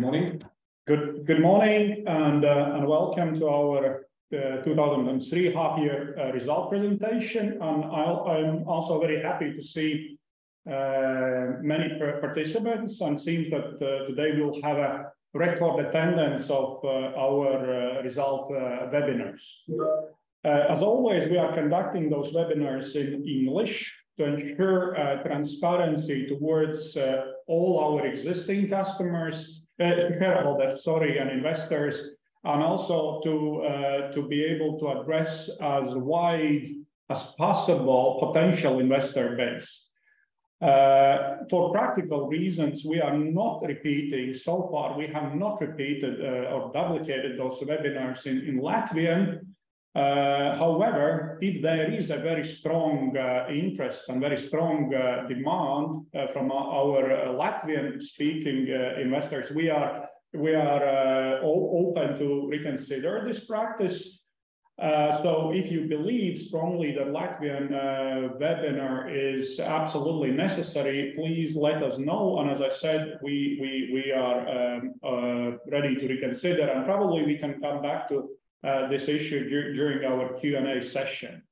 Good morning. Good, good morning, and welcome to our 2023 half year result presentation. I'm also very happy to see many participants, and seems that today we will have a record attendance of our result webinars. As always, we are conducting those webinars in English to ensure transparency towards all our existing customers, comparable, sorry, and investors, and also to be able to address as wide as possible potential investor base. For practical reasons, we are not repeating. So far, we have not repeated or duplicated those webinars in Latvian. However, if there is a very strong interest and very strong demand from our Latvian-speaking investors, we are, we are open to reconsider this practice. If you believe strongly that Latvian webinar is absolutely necessary, please let us know. As I said, we, we, we are ready to reconsider, and probably we can come back to this issue during our Q&A session.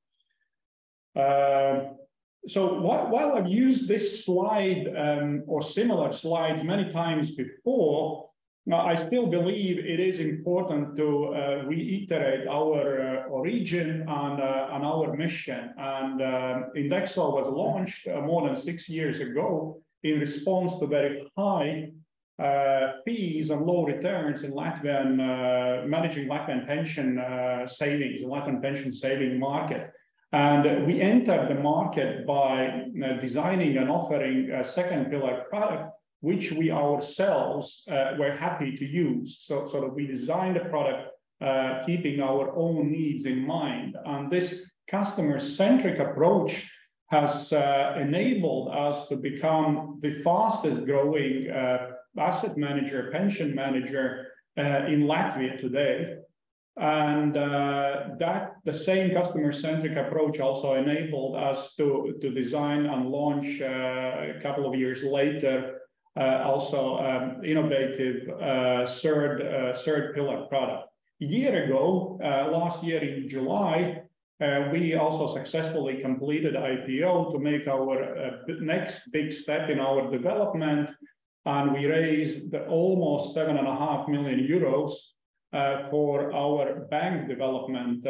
While, while I've used this slide, or similar slides many times before, I still believe it is important to reiterate our origin and our mission. Indexo was launched more than six years ago in response to very high fees and low returns in Latvian managing Latvian pension savings, Latvian pension saving market. We entered the market by designing and offering a 2nd pillar product, which we ourselves were happy to use. We designed the product, keeping our own needs in mind. This customer-centric approach has enabled us to become the fastest growing asset manager, pension manager in Latvia today. That, the same customer-centric approach also enabled us to design and launch two years later also innovative 3rd pillar product. One year ago, last year in July, we also successfully completed IPO to make our next big step in our development, and we raised almost 7.5 million euros for our bank development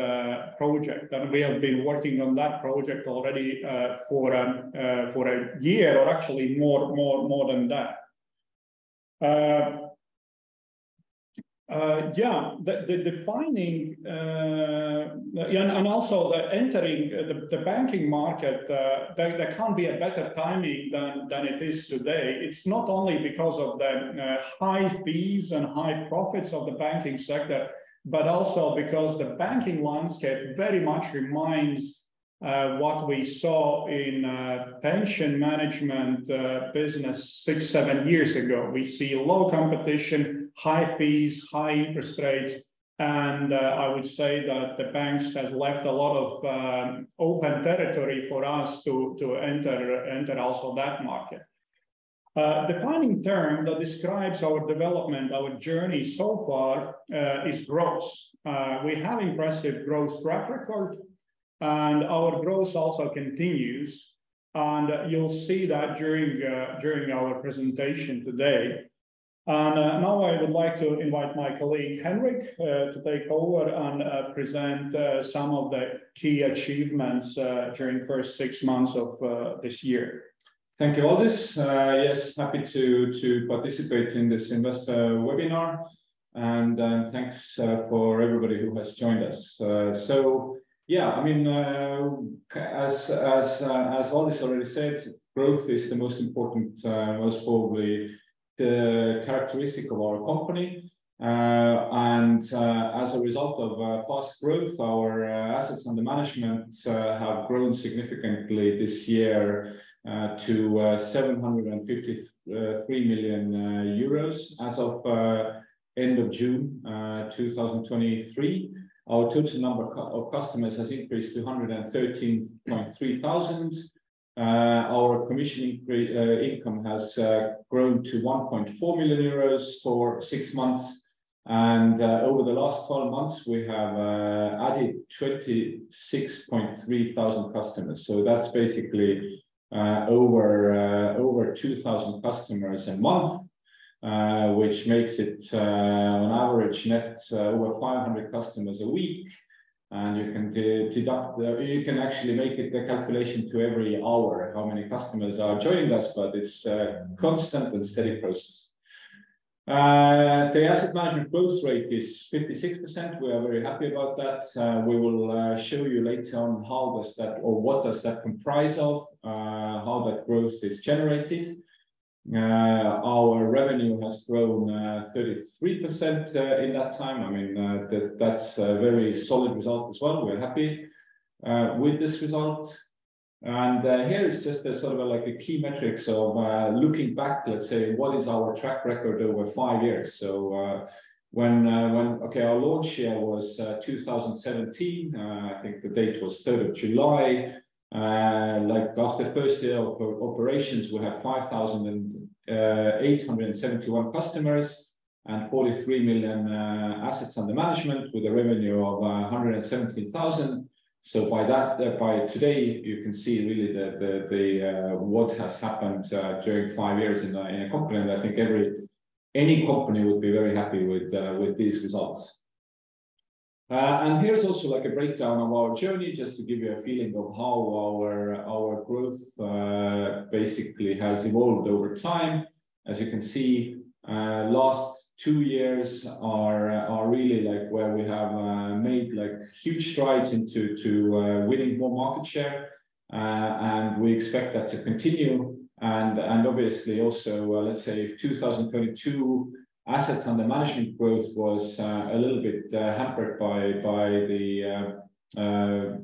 project. We have been working on that project already for one year, or actually more, more, more than that. Yeah, the defining... Yeah, and also the entering the banking market, there can't be a better timing than than it is today. It's not only because of the high fees and high profits of the banking sector, but also because the banking landscape very much reminds what we saw in pension management business six, seven years ago. We see low competition, high fees, high interest rates, and I would say that the banks has left a lot of open territory for us to, to enter, enter also that market. Defining term that describes our development, our journey so far, is growth. We have impressive growth track record, and our growth also continues, and you'll see that during during our presentation today. Now I would like to invite my colleague, Henrik, to take over and present some of the key achievements during first six months of this year. Thank you, Valdis. Yes, happy to participate in this investor webinar, and thanks for everybody who has joined us. I mean, as Valdis already said, growth is the most important, most probably the characteristic of our company. As a result of fast growth, our assets under management have grown significantly this year to 753 million euros as of end of June 2023. Our total number of customers has increased to 113,300. Our commission income has grown to 1.4 million euros for six months. Over the last 12 months, we have added 26,300 customers. That's basically over 2,000 customers a month, which makes it on average, nets over 500 customers a week. You can actually make it the calculation to every hour, how many customers are joining us, but it's a constant and steady process. The asset management growth rate is 56%. We are very happy about that. We will show you later on how does that or what does that comprise of, how that growth is generated. Our revenue has grown 33% in that time. I mean, that, that's a very solid result as well. We're happy with this result. Here is just a sort of like a key metrics of looking back, let's say, what is our track record over five years? When our launch year was 2017. I think the date was 3rd of July. Like, after 1st year of operations, we had 5,871 customers and 43 million assets under management with a revenue of 117,000. By that, by today, you can see really what has happened during five years in a company. I think every, any company would be very happy with these results. Here is also like a breakdown of our journey, just to give you a feeling of how our, our growth basically has evolved over time. As you can see, last two years are, are really like where we have made like huge strides into to winning more market share. We expect that to continue. Obviously also, let's say if 2022 assets under management growth was a little bit hampered by, by the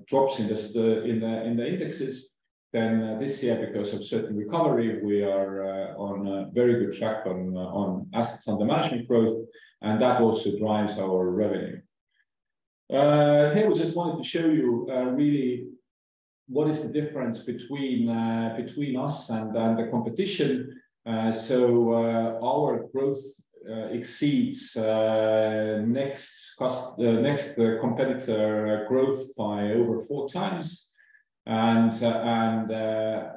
drops in the, in the, in the indexes, then this year, because of certain recovery, we are on a very good track on, on assets under management growth, and that also drives our revenue. Here we just wanted to show you really what is the difference between between us and, and the competition. Our growth exceeds next competitor growth by over 4x.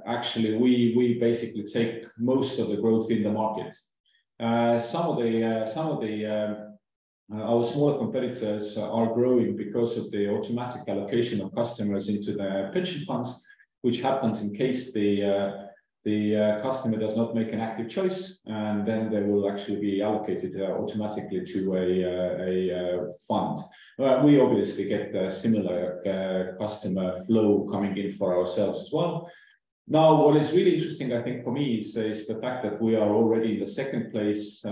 Actually, we, we basically take most of the growth in the market. Some of the, some of the, our smaller competitors are growing because of the automatic allocation of customers into the pension funds, which happens in case the, the, customer does not make an active choice, and then they will actually be allocated automatically to a, a, fund. We obviously get a similar customer flow coming in for ourselves as well. Now, what is really interesting, I think, for me is, is the fact that we are already in the second place,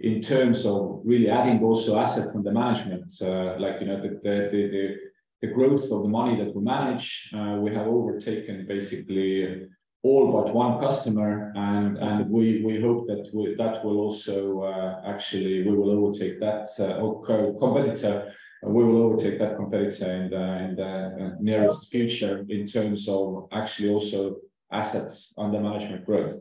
in terms of really adding also asset under management. Like, you know, the growth of the money that we manage, we have overtaken basically all but one customer, and we hope that will also, actually, we will overtake that co-competitor, we will overtake that competitor in the, in the nearest future in terms of actually also assets under management growth.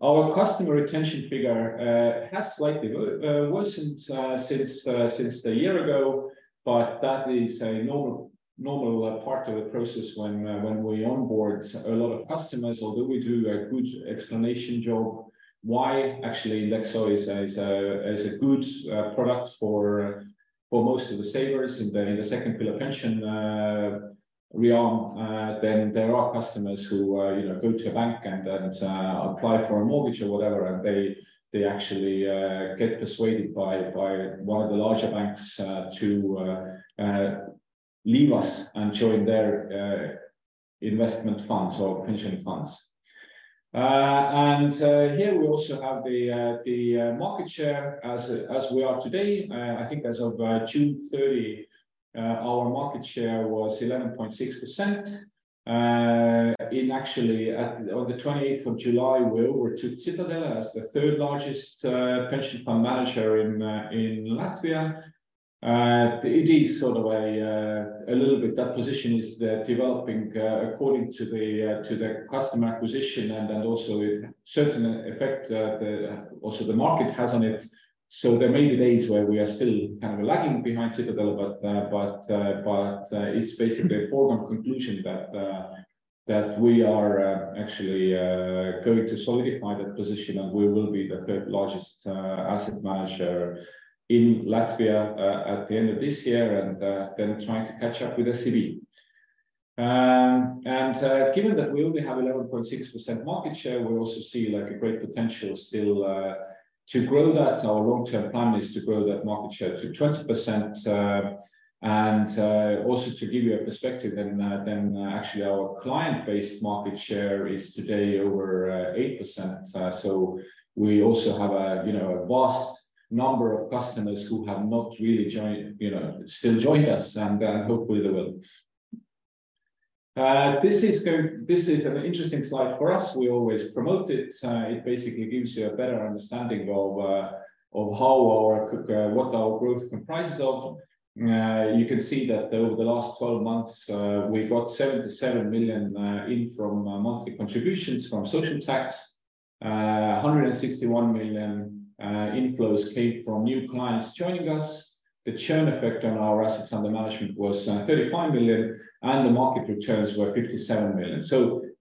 Our customer retention figure has slightly worsened since a year ago, but that is a normal, normal part of the process when we onboard a lot of customers, although we do a good explanation job, why actually Indexo is a, is a, is a good product for most of the savers in the 2nd pillar pension, we are, then there are customers who, you know, go to a bank and, and apply for a mortgage or whatever, and they, they actually get persuaded by, by one of the larger banks to leave us and join their investment funds or pension funds. Here we also have the market share as, as we are today. I think as of June 30, our market share was 11.6%. In actually, at, on the 28th of July, we overtook Citadele as the third largest pension fund manager in Latvia. It is sort of a little bit that position is developing according to the to the customer acquisition and, and also a certain effect the also the market has on it. There may be days where we are still kind of lagging behind Citadele, but it's basically a foregone conclusion that we are actually going to solidify that position, and we will be the third largest asset manager in Latvia at the end of this year, and then trying to catch up with SEB. Given that we only have 11.6% market share, we also see, like, a great potential still, to grow that. Our long-term plan is to grow that market share to 20%, and, also to give you a perspective, and, then actually our client-based market share is today over 8%. We also have a, you know, a vast number of customers who have not really joined, you know, still joined us, and, and hopefully they will. This is go- this is an interesting slide for us. We always promote it. It basically gives you a better understanding of, of how our co- what our growth comprises of. You can see that over the last 12 months, we got 77 million, in from, monthly contributions from social tax. 161 million inflows came from new clients joining us. The churn effect on our assets under management was 35 million, and the market returns were 57 million.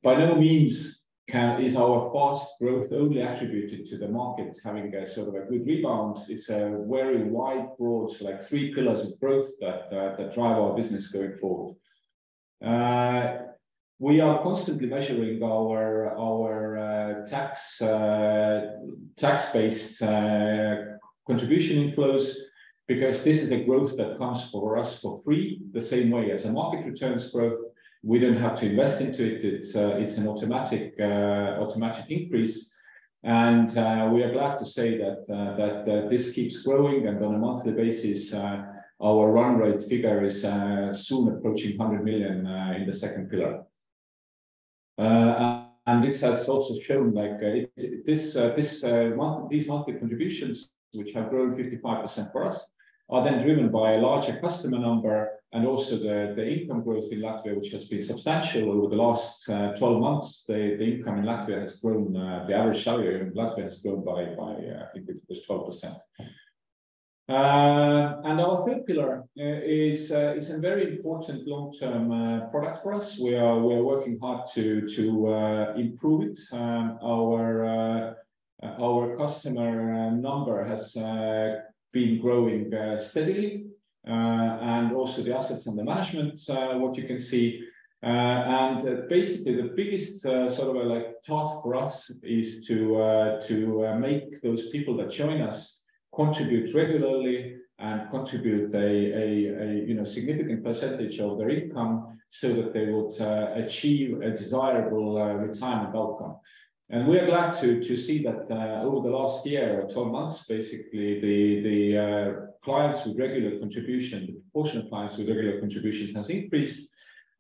By no means is our fast growth only attributed to the market having a sort of a good rebound. It's a very wide, broad, like three pillars of growth that drive our business going forward. We are constantly measuring our, our tax, tax-based contribution inflows because this is the growth that comes for us for free, the same way as a market returns growth. We don't have to invest into it. It's, it's an automatic, automatic increase, and we are glad to say that this keeps growing and on a monthly basis, our run rate figure is soon approaching 100 million in the second pillar. And this has also shown like, this, this month, these monthly contributions, which have grown 55% for us, are then driven by a larger customer number and also the, the income growth in Latvia, which has been substantial over the last 12 months. The, the income in Latvia has grown, the average salary in Latvia has grown by, by, I think it was 12%. And our third pillar is a very important long-term product for us. We are, we are working hard to, to improve it. Our customer number has been growing steadily and also the assets under management, what you can see. Basically, the biggest sort of like task for us is to make those people that join us contribute regularly and contribute a, a, a, you know, significant % of their income so that they would achieve a desirable retirement outcome. We are glad to, to see that over the last year, or 12 months, basically, the, the clients with regular contribution, the proportion of clients with regular contributions has increased.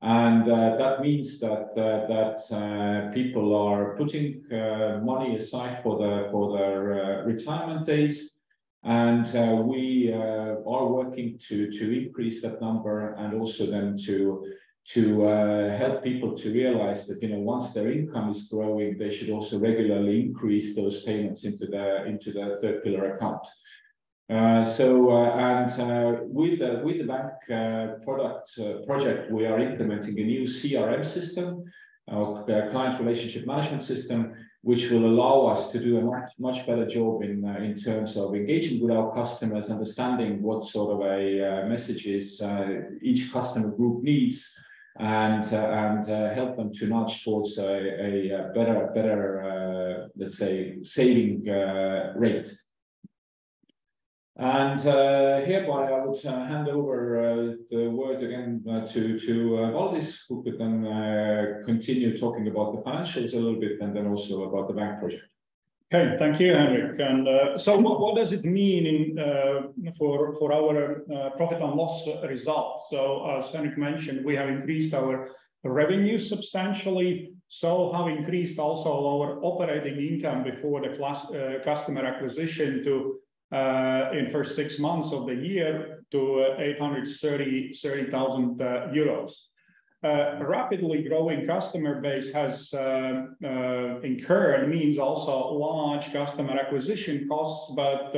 That means that people are putting money aside for their, for their retirement days. We are working to, to increase that number and also then to, to help people to realize that, you know, once their income is growing, they should also regularly increase those payments into their, into their third pillar account. With the, with the bank product project, we are implementing a new CRM system, a client relationship management system, which will allow us to do a much, much better job in terms of engaging with our customers, understanding what sort of a messages each customer group needs, and help them to nudge towards a better, better, let's say, saving rate. Hereby, I would hand over the word again to, to Valdis, who could then continue talking about the financials a little bit, and then also about the bank project. Thank you, Henrik. So what, what does it mean for, for our profit and loss result? As Henrik mentioned, we have increased our revenue substantially, so have increased also our operating income before customer acquisition in first six months of the year to 830,000 euros. Rapidly growing customer base has incurred means also large customer acquisition costs, but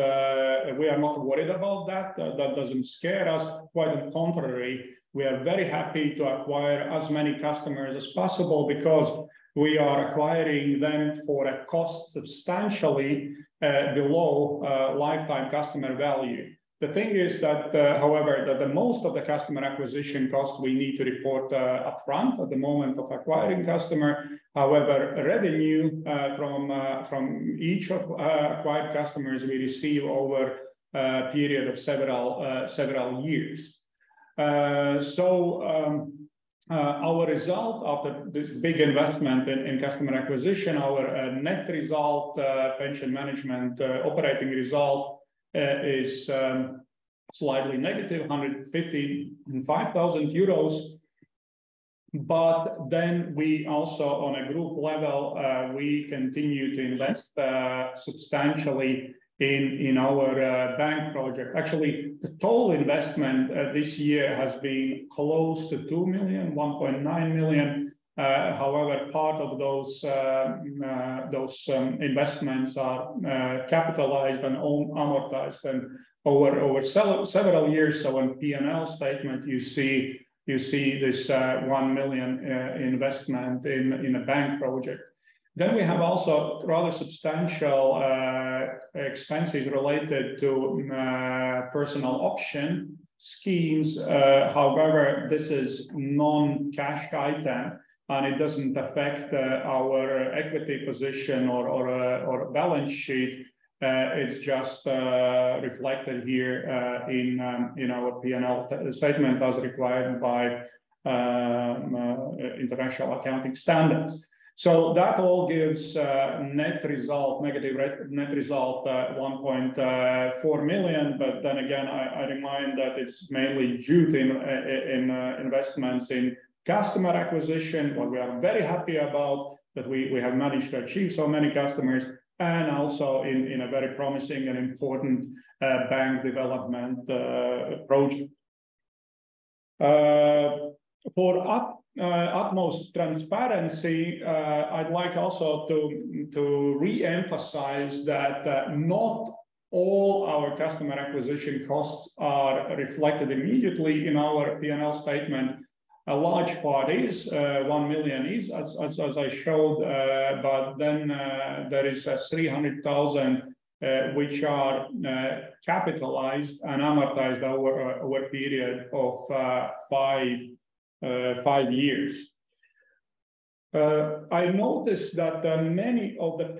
we are not worried about that. That doesn't scare us. Quite on contrary, we are very happy to acquire as many customers as possible because we are acquiring them for a cost substantially below lifetime customer value. The thing is that, however, that the most of the customer acquisition costs we need to report upfront at the moment of acquiring customer. However, revenue from each of acquired customers we receive over a period of several, several years. Our result of the, this big investment in customer acquisition, our net result, pension management operating result, is slightly negative, 155,000 euros. We also, on a group level, we continue to invest substantially in our bank project. Actually, the total investment this year has been close to 2 million, 1.9 million. Part of those those investments are capitalized and own-amortized over several, several years. In P&L statement, you see, you see this 1 million investment in a bank project. We have also rather substantial expenses related to personnel option schemes. However, this is non-cash item, and it doesn't affect our equity position or balance sheet. It's just reflected here in our P&L statement, as required by international accounting standards. That all gives net result, negative net result, 1.4 million. Then again, I remind that it's mainly due to investments in customer acquisition, what we are very happy about, that we have managed to achieve so many customers, and also in a very promising and important bank development project. For utmost transparency, I'd like also to re-emphasize that not all our customer acquisition costs are reflected immediately in our P&L statement. A large part is 1 million, as, as, as I showed, but then, there is 300,000, which are capitalized and amortized over a period of five, five years. I noticed that many of the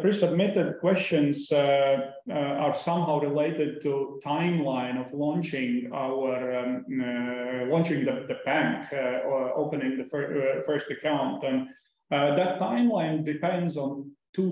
pre-submitted questions are somehow related to timeline of launching our, launching the bank, or opening the first account. On a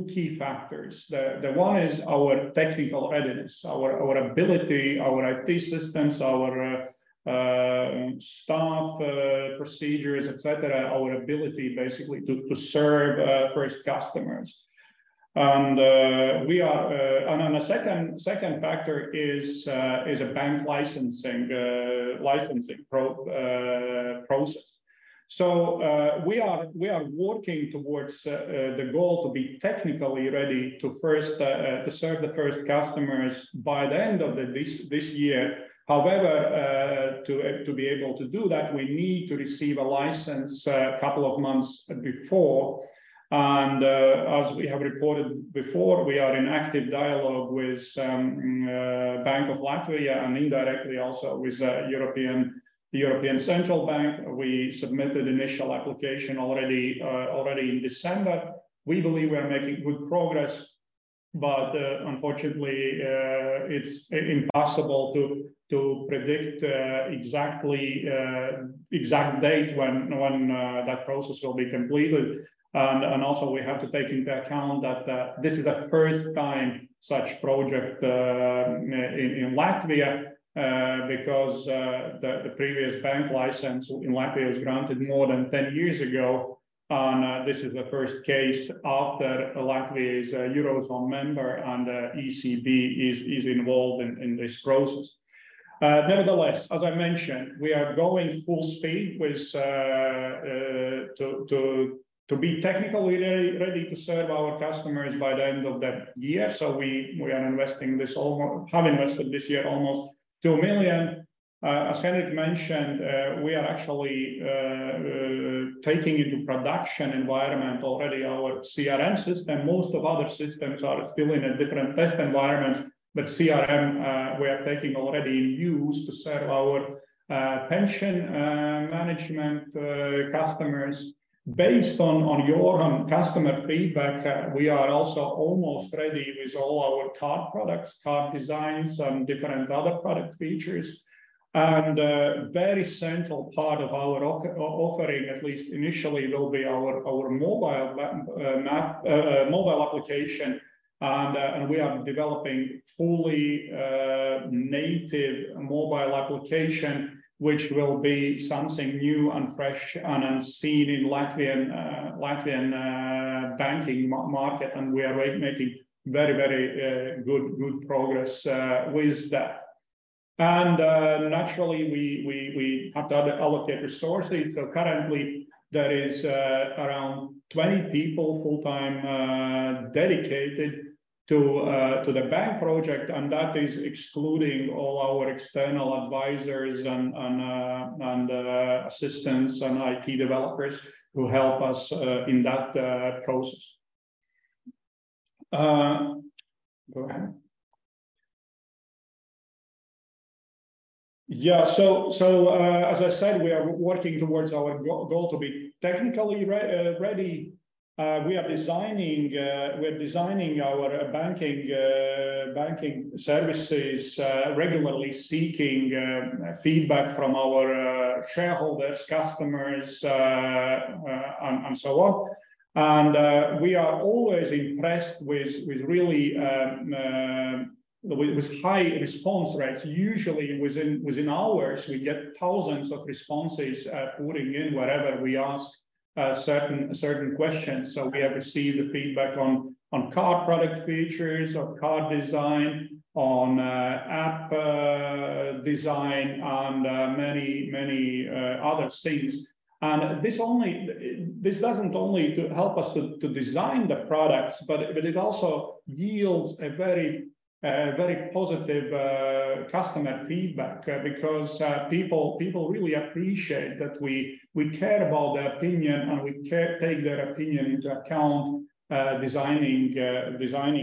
second, second factor is a bank licensing, licensing process. We are, we are working towards the goal to be technically ready to first to serve the first customers by the end of this year. However, to be able to do that, we need to receive a license a couple of months before. As we have reported before, we are in active dialogue with Bank of Latvia and indirectly also with the European Central Bank. We submitted initial application already in December. We believe we are making good progress, unfortunately, it's impossible to predict exactly exact date when that process will be completed. Also we have to take into account that this is the first time such project in Latvia, because the previous bank license in Latvia was granted more than 10 years ago. This is the first case after Latvia is a Eurozone member, and ECB is involved in this process. Nevertheless, as I mentioned, we are going full speed with to be technically ready, ready to serve our customers by the end of the year. We, we are investing this have invested this year almost 2 million. As Henrik mentioned, we are actually taking into production environment already our CRM system. Most of other systems are still in a different test environment, but CRM we are taking already in use to serve our pension management customers. Based on, on your customer feedback, we are also almost ready with all our card products, card designs, and different other product features. Very central part of our offering, at least initially, will be our mobile app, mobile application. We are developing fully native mobile application, which will be something new and fresh and unseen in Latvian Latvian banking market, and we are making very, very good good progress with that. Naturally, we, we, we have to allocate resources. Currently, there is around 20 people full-time dedicated to the bank project, and that is excluding all our external advisors and assistants and IT developers who help us in that process. Go ahead. As I said, we are working towards our goal to be technically ready. We are designing, we're designing our banking banking services, regularly seeking feedback from our shareholders, customers, and so on. We are always impressed with really high response rates. Usually, within hours, we get thousands of responses, putting in whatever we ask certain questions. We have received the feedback on, on card product features, on card design, on app design, and many, many other things. This doesn't only to help us to design the products, but it also yields a very positive customer feedback. Because people really appreciate that we care about their opinion, and we take their opinion into account, designing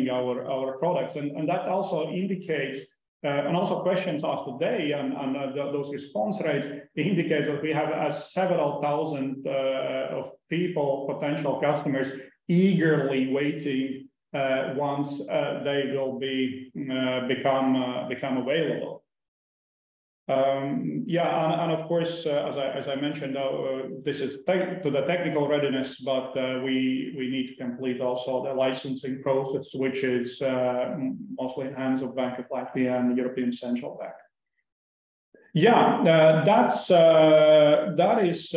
our products. That also indicates, and also questions asked today and those response rates indicates that we have several thousand of people, potential customers, eagerly waiting once they will become available. Of course, as I, as I mentioned, this is thank to the technical readiness, but we, we need to complete also the licensing process, which is mostly in hands of Bank of Latvia and the European Central Bank. That's that is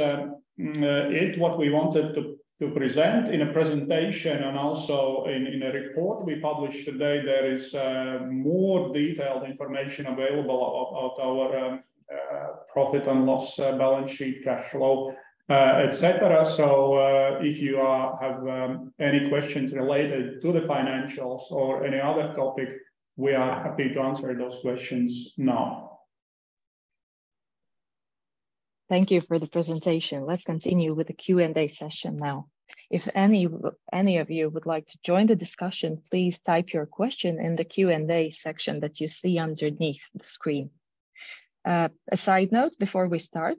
it, what we wanted to, to present in a presentation and also in, in a report we published today. There is more detailed information available about our profit and loss, balance sheet, cash flow, et cetera. If you have any questions related to the financials or any other topic, we are happy to answer those questions now. Thank you for the presentation. Let's continue with the Q&A session now. If any of, any of you would like to join the discussion, please type your question in the Q&A section that you see underneath the screen. A side note before we start,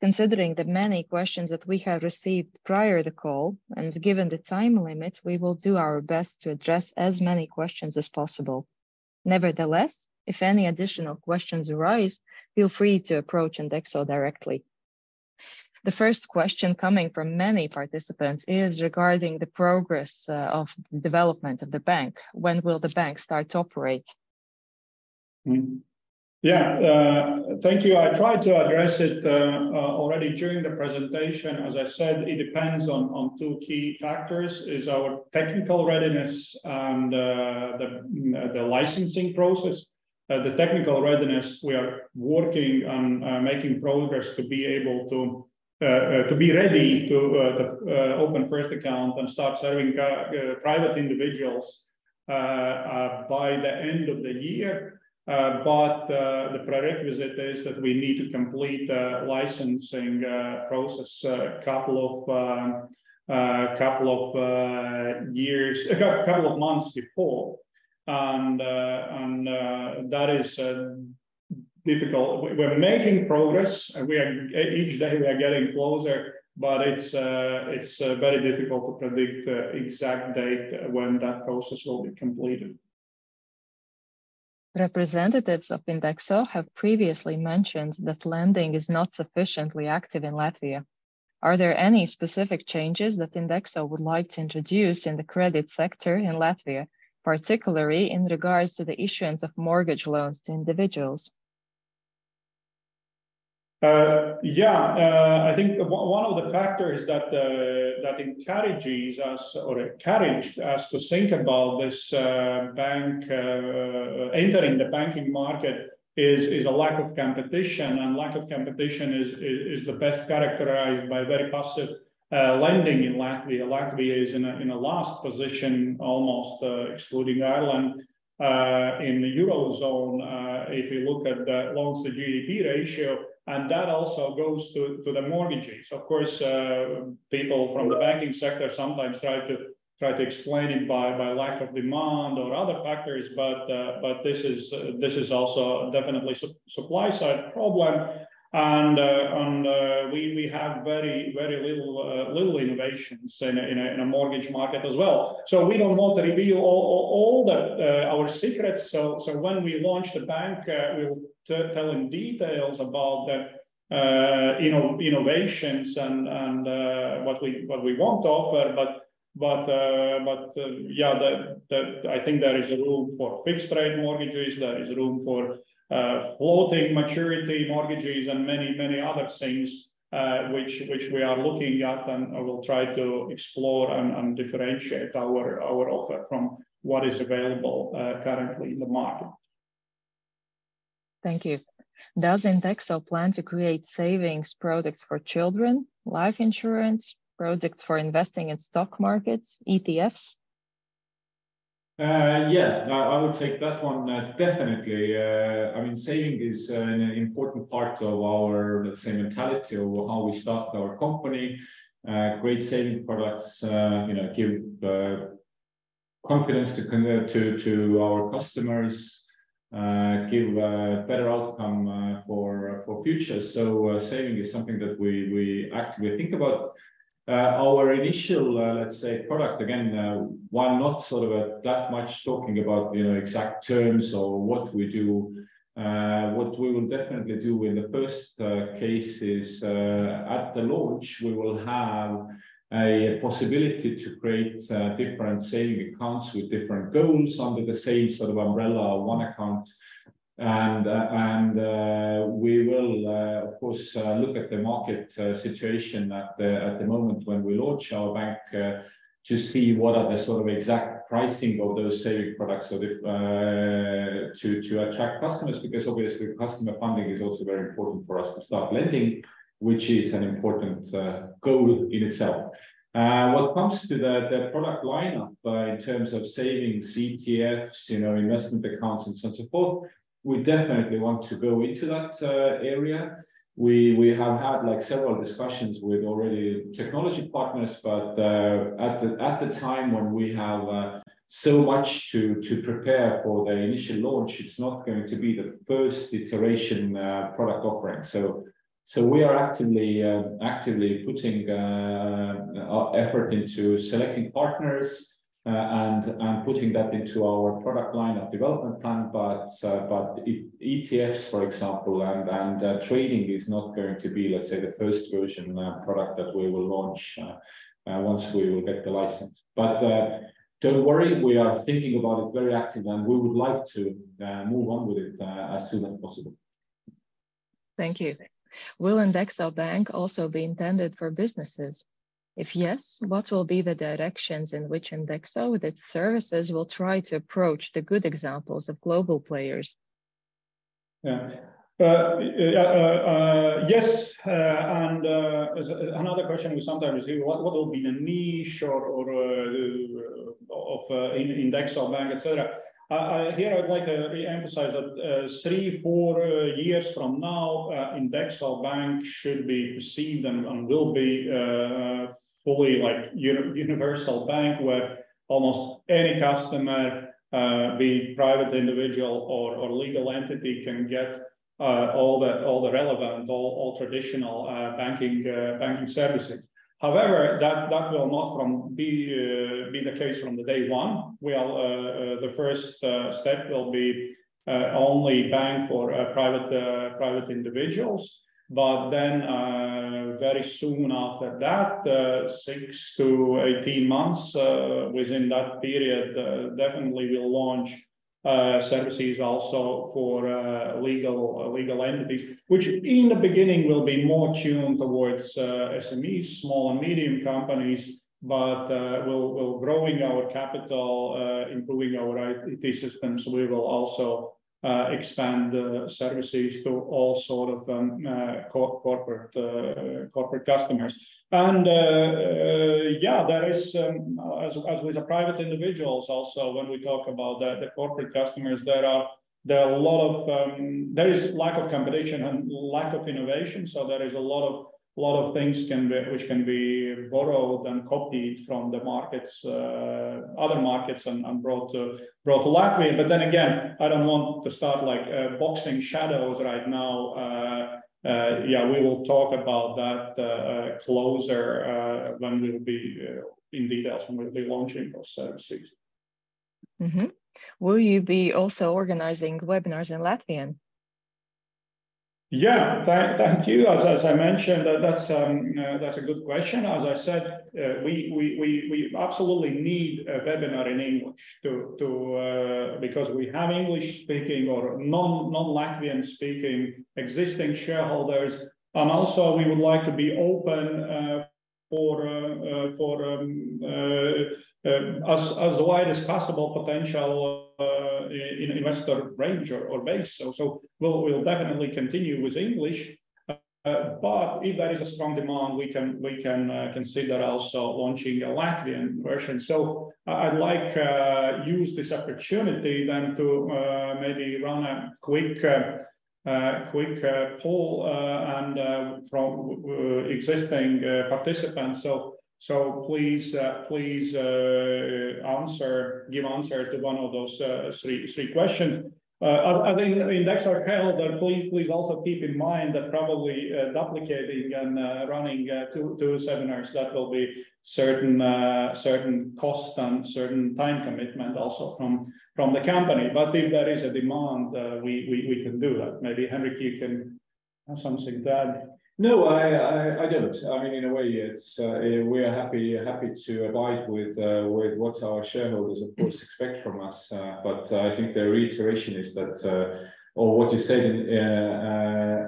considering the many questions that we have received prior the call, and given the time limit, we will do our best to address as many questions as possible. Nevertheless, if any additional questions arise, feel free to approach Indexo directly. The first question coming from many participants is regarding the progress of the development of the bank. When will the bank start to operate? Mm-hmm. Yeah, thank you. I tried to address it already during the presentation. As I said, it depends on, on two key factors, is our technical readiness and, the, the licensing process. The technical readiness, we are working on making progress to be able to be ready to open first account and start serving private individuals by the end of the year. But the prerequisite is that we need to complete the licensing process couple of, couple of years, a couple of months before. And that is difficult. We're making progress, and each day we are getting closer, but it's very difficult to predict exact date when that process will be completed. Representatives of Indexo have previously mentioned that lending is not sufficiently active in Latvia. Are there any specific changes that Indexo would like to introduce in the credit sector in Latvia, particularly in regards to the issuance of mortgage loans to individuals? Yeah. I think one, one of the factors that encourages us or encouraged us to think about this bank entering the banking market is, is a lack of competition, and lack of competition is, is, is the best characterized by very passive lending in Latvia. Latvia is in a, in a last position, almost, excluding Ireland, in the Eurozone, if you look at the loans to GDP ratio, and that also goes to, to the mortgages. Of course, people from the banking sector sometimes try to, try to explain it by, by lack of demand or other factors, but this is, this is also definitely sup- supply side problem. We, we have very, very little innovations in a, in a, in a mortgage market as well. We don't want to reveal all the our secrets. When we launch the bank, we will tell in details about the innovations and what we want to offer. I think there is a room for fixed rate mortgages. There is room for floating maturity mortgages and many other things which we are looking at, and I will try to explore and differentiate our offer from what is available currently in the market. Thank you. Does Indexo plan to create savings products for children, life insurance, products for investing in stock markets, ETFs? Yeah, I, I would take that one. Definitely, I mean, saving is an important part of our, let's say, mentality of how we started our company. Great saving products, you know, give confidence to con-- to, to our customers, give better outcome for, for future. Saving is something that we, we actively think about. Our initial, let's say, product again, while not sort of, that much talking about, you know, exact terms or what we do, what we will definitely do in the first case is, at the launch, we will have a possibility to create different saving accounts with different goals under the same sort of umbrella, one account. We will of course look at the market situation at the at the moment when we launch our INDEXO Bank to see what are the sort of exact pricing of those saving products so if to to attract customers, because obviously customer funding is also very important for us to start lending, which is an important goal in itself. When it comes to the the product lineup in terms of savings, ETFs, you know, investment accounts, and so on, so forth, we definitely want to go into that area. We, we have had, like, several discussions with already technology partners, but at the at the time when we have so much to to prepare for the initial launch, it's not going to be the first iteration product offering. So we are actively actively putting our effort into selecting partners and putting that into our product line of development plan. ETFs, for example, and trading is not going to be, let's say, the first version product that we will launch once we will get the license. Don't worry, we are thinking about it very actively, and we would like to move on with it as soon as possible. Thank you. Will INDEXO Bank also be intended for businesses? If yes, what will be the directions in which Indexo, with its services, will try to approach the good examples of global players? Yeah. Yes, as another question we sometimes hear, what, what will be the niche or, of Indexo Bank, et cetera? Here, I would like to re-emphasize that three, four years from now, Indexo Bank should be perceived and will be fully like universal bank, where almost any customer, be private individual or legal entity, can get all the, all the relevant, all, all traditional banking banking services. However, that, that will not from, be the case from the day one. We all, the first step will be only bank for private private individuals. But then, very soon after that, six-18 months, within that period, definitely we'll launch-... services also for legal, legal entities, which in the beginning will be more tuned towards SMEs, small and medium companies, but we'll, we'll growing our capital, improving our IT systems. We will also expand the services to all sort of corporate, corporate customers. Yeah, there is as, as with the private individuals also, when we talk about the, the corporate customers, there are a lot of, there is lack of competition and lack of innovation, so there is a lot of, lot of things can be... which can be borrowed and copied from the markets, other markets and, and brought to, brought to Latvia. Then again, I don't want to start like boxing shadows right now. Yeah, we will talk about that closer when we'll be in details when we'll be launching those services. Mm-hmm. Will you be also organizing webinars in Latvian? Yeah, thank, thank you. As, as I mentioned, That's a good question. As I said, we, we, we, we absolutely need a webinar in English to, to because we have English-speaking or non, non-Latvian speaking existing shareholders. Also we would like to be open for as, as the widest possible potential investor range or base. We'll, we'll definitely continue with English, but if there is a strong demand, we can, we can consider also launching a Latvian version. I'd like use this opportunity then to maybe run a quick, quick poll from existing participants. Please, please answer, give answer to one of those three, three questions. As, as Indexo held, please, please also keep in mind that probably duplicating and running two, two seminars, that will be certain certain costs and certain time commitment also from from the company. If there is a demand, we, we, we can do that. Maybe, Henrik, you can have something to add? No, I, I, I don't. I mean, in a way, it's, we are happy, happy to abide with, with what our shareholders, of course, expect from us. I think the reiteration is that, or what you said,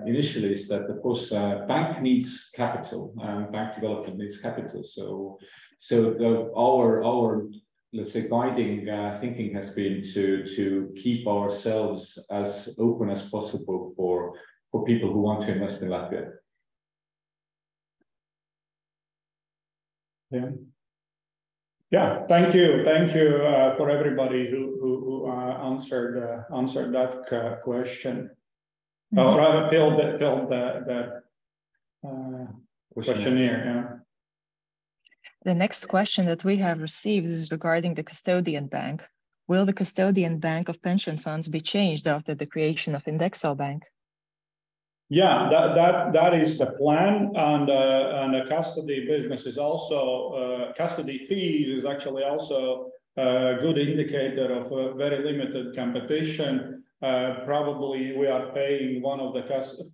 initially, is that of course, bank needs capital, and bank development needs capital. Our, our, let's say, guiding, thinking has been to, to keep ourselves as open as possible for, for people who want to invest in Latvia. Yeah? Yeah. Thank you. Thank you, for everybody who, who, who, answered, answered that, question. Mm-hmm. rather filled the, filled the, the. Questionnaire questionnaire, yeah. The next question that we have received is regarding the custodian bank. Will the custodian bank of pension funds be changed after the creation of INDEXO Bank? Yeah, that, that, that is the plan, and the custody business is also, custody fees is actually also a good indicator of a very limited competition. Probably we are paying one of the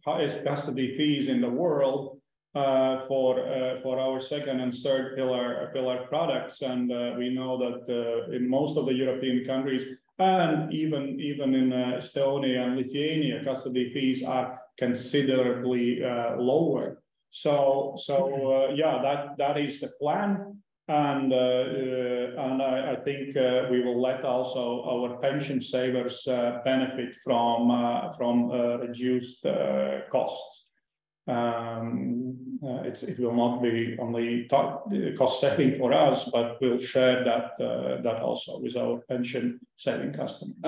highest custody fees in the world, for, for our 2nd and 3rd pillar, pillar products. We know that, in most of the European countries, and even, even in Estonia and Lithuania, custody fees are considerably, lower. Yeah, that, that is the plan, and I, I think, we will let also our pension savers, benefit from, from, reduced, costs. It, it will not be only top cost saving for us, but we'll share that, that also with our pension saving customers.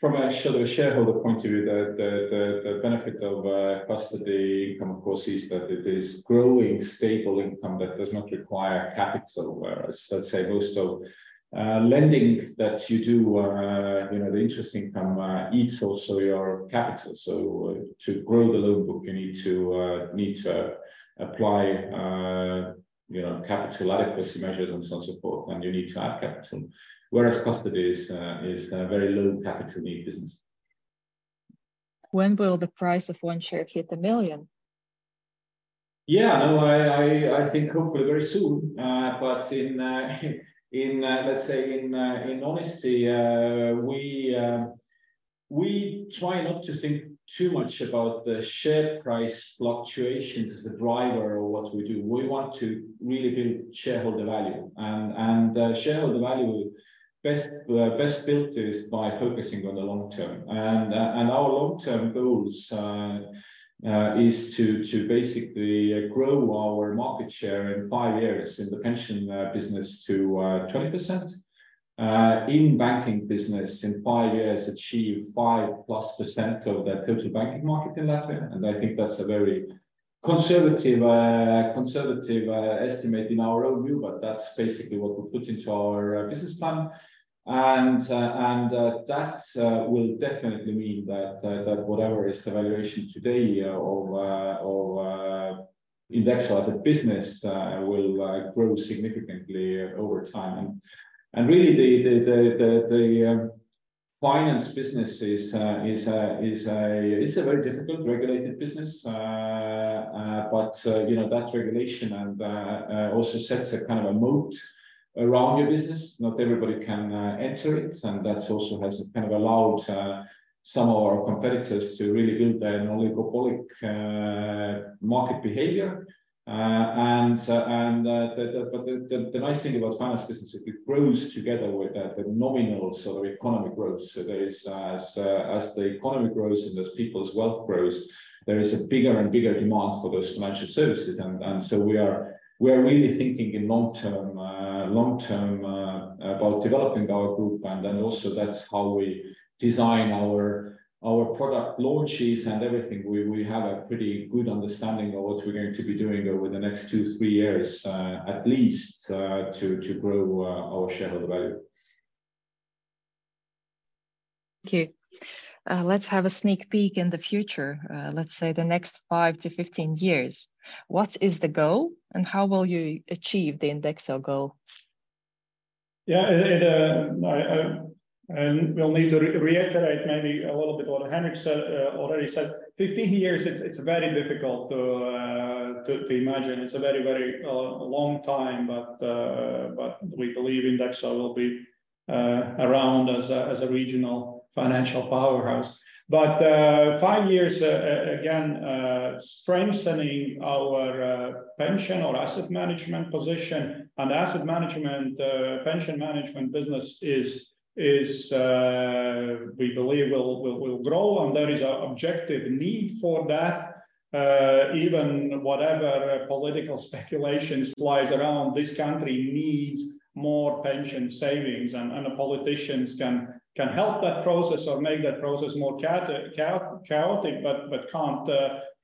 From a shareholder point of view, the, the, the, the benefit of custody income, of course, is that it is growing stable income that does not require capital. Whereas, let's say most of lending that you do, you know, the interest income eats also your capital. To grow the loan book, you need to need to apply, you know, capital adequacy measures and so on, so forth, and you need to add capital. Whereas custody is a very low capital need business. When will the price of one share hit 1 million? Yeah, no, I, I, I think hopefully very soon. In, in, let's say in, in honesty, we, we try not to think too much about the share price fluctuations as a driver or what we do. We want to really build shareholder value. Shareholder value best, best built is by focusing on the long term. Our long-term goals is to, to basically grow our market share in five years in the pension business to 20%. In banking business, in five years, achieve 5+% of the total banking market in Latvia, and I think that's a very conservative, conservative estimate in our own view, but that's basically what we put into our business plan. That will definitely mean that whatever is the valuation today of Indexo as a business, will grow significantly over time. Really, the, the, the, the, the finance business is a, is a, is a very difficult regulated business. You know, that regulation and also sets a kind of a moat. ... around your business, not everybody can enter it, and that's also has kind of allowed some of our competitors to really build their oligopolistic market behavior. The nice thing about finance business, it, it grows together with the nominal sort of economic growth. There is, as the economy grows and as people's wealth grows, there is a bigger and bigger demand for those financial services. We are, we are really thinking in long-term, long-term about developing our group. Also that's how we design our, our product launches and everything. We, we have a pretty good understanding of what we're going to be doing over the next two, three years, at least, to, to grow our shareholder value. Thank you. Let's have a sneak peek in the future. Let's say the next five-15 years, what is the goal and how will you achieve the Indexo goal? Yeah, it, I, I, and we'll need to re-reiterate maybe a little bit what Henrik said, already said. Fifteen years, it's, it's very difficult to, to, to imagine. It's a very, very long time, but, but we believe Indexo will be around as a, as a regional financial powerhouse. But, five years, again, strengthening our pension or asset management position, and asset management, pension management business is, is, we believe will, will, will grow, and there is a objective need for that. Even whatever political speculations flies around, this country needs more pension savings, and, and the politicians can, can help that process or make that process more chaotic, but, but can't,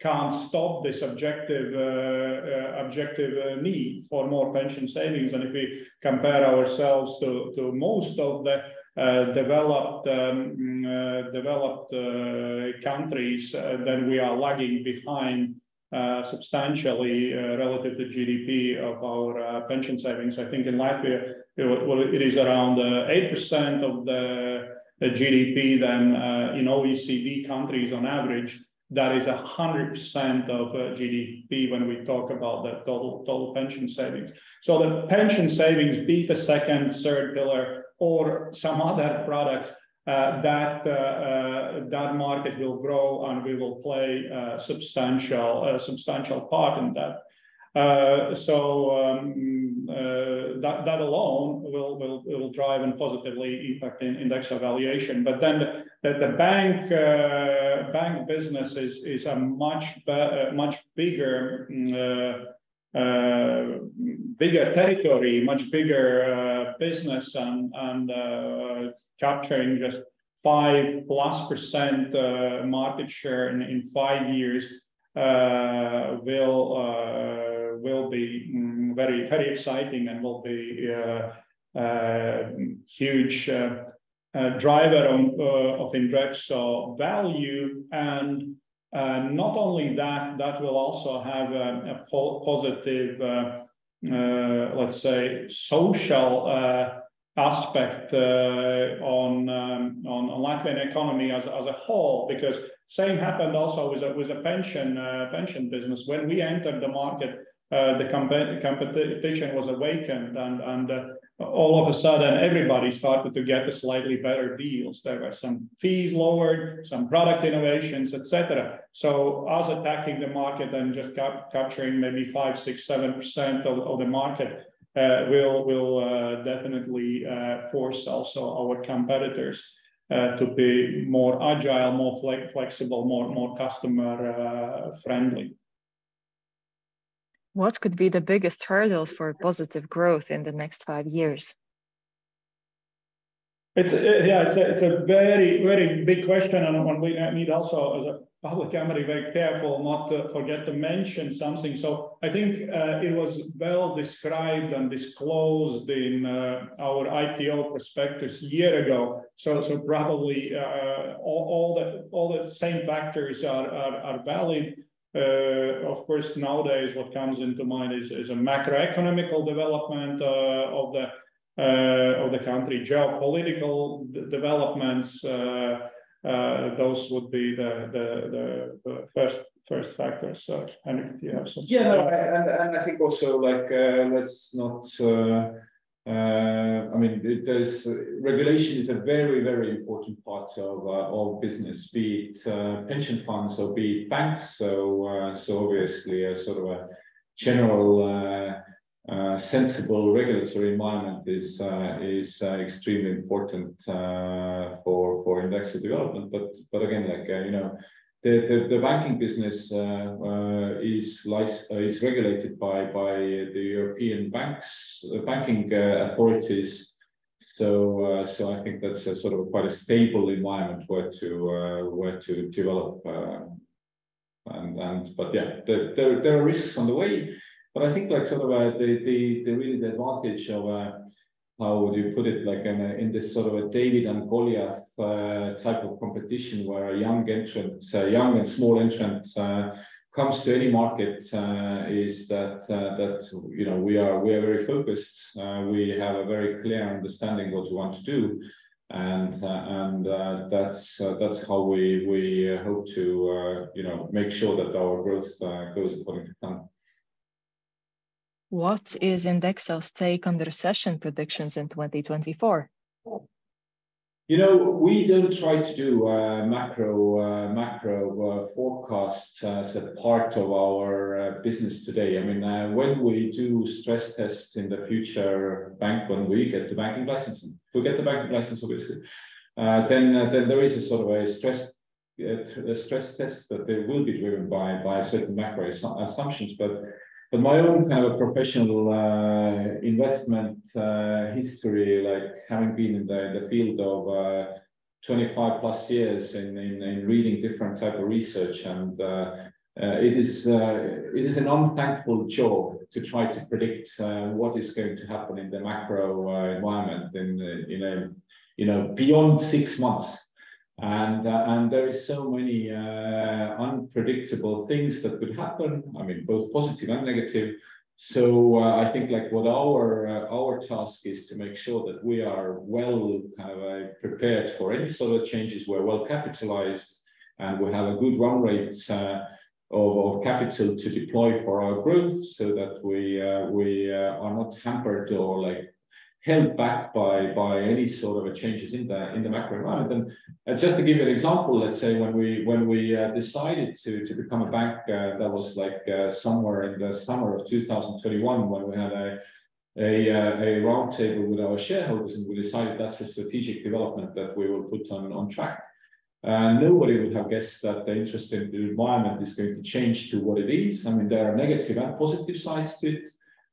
can't stop this objective, objective need for more pension savings. If we compare ourselves to, to most of the developed, developed countries, then we are lagging behind substantially relative to GDP of our pension savings. I think in Latvia, it, well, it is around 8% of the GDP than in OECD countries on average, that is 100% of GDP when we talk about the total, total pension savings. The pension savings, be it the 2nd, 3rd pillar or some other products, that market will grow, and we will play a substantial, a substantial part in that. That, that alone will, will, will drive and positively impact in Indexo valuation. The bank business is a much bigger, bigger territory, much bigger business and capturing just 5+% market share in five years will be very, very exciting and will be a huge driver of Indexo value. Not only that, that will also have a positive, let's say, social aspect on Latvian economy as a whole, because same happened also with a pension, pension business. When we entered the market, the competition was awakened, and all of a sudden, everybody started to get a slightly better deals. There were some fees lowered, some product innovations, et cetera. Us attacking the market and just capturing maybe 5%, 6%, 7% of, of the market, will, will, definitely, force also our competitors to be more agile, more flexible, more, more customer friendly. What could be the biggest hurdles for positive growth in the next five years? It's, yeah, it's a, it's a very, very big question, and, and we need also, as a public company, very careful not to forget to mention something. I think, it was well described and disclosed in our IPO prospectus a year ago. Probably, all, all the, all the same factors are, are, are valid. Of course, nowadays, what comes into mind is, is a macroeconomical development of the country, geopolitical developments. Those would be the, the, the, the first, first factors. Henrik, do you have some? Yeah, no, I think also, like, let's not. I mean, there's regulation is a very, very important part of all business, be it pension funds or be it banks. Obviously, a sort of a general, sensible regulatory environment is extremely important for Indexo development. Again, like, you know, the banking business is lic- is regulated by the European banks, the banking authorities. I think that's a sort of quite a stable environment where to develop, and but yeah, there are risks on the way. I think like sort of, the, the, the really the advantage of, how would you put it, like in a, in this sort of a David and Goliath type of competition, where a young entrant, so a young and small entrant, comes to any market, is that, that, you know, we are, we are very focused. We have a clear understanding what we want to do, and, and, that's, that's how we, we, hope to, you know, make sure that our growth, goes according to plan. What is Indexo's take on the recession predictions in 2024? You know, we don't try to do macro, macro forecasts as a part of our business today. I mean, when we do stress tests in the future bank, when we get the banking license, if we get the banking license, obviously, then then there is a sort of a stress a stress test, but they will be driven by, by certain macro assumptions. But my own kind of professional investment history, like having been in the the field of 25+ years in in in reading different type of research and it is it is an unthankful job to try to predict what is going to happen in the macro environment in in a, you know, beyond six months. There is so many unpredictable things that could happen, I mean, both positive and negative. I think, like, what our task is to make sure that we are well, kind of, prepared for any sort of changes. We're well capitalized, and we have a good run rate of capital to deploy for our growth so that we, we are not hampered or, like, held back by, by any sort of changes in the macro environment. Just to give you an example, let's say when we, when we decided to become a bank, that was like somewhere in the summer of 2021, when we had a, a roundtable with our shareholders, and we decided that's a strategic development that we will put on, on track. Nobody would have guessed that the interest in the environment is going to change to what it is. I mean, there are negative and positive sides to it.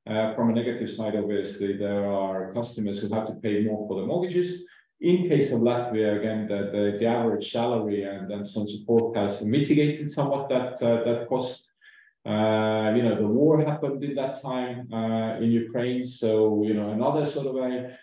From a negative side, obviously, there are customers who have to pay more for the mortgages. In case of Latvia, again, the, the average salary and then some support has mitigated somewhat that cost. You know, the war happened in that time, in Ukraine, so, you know, another sort of a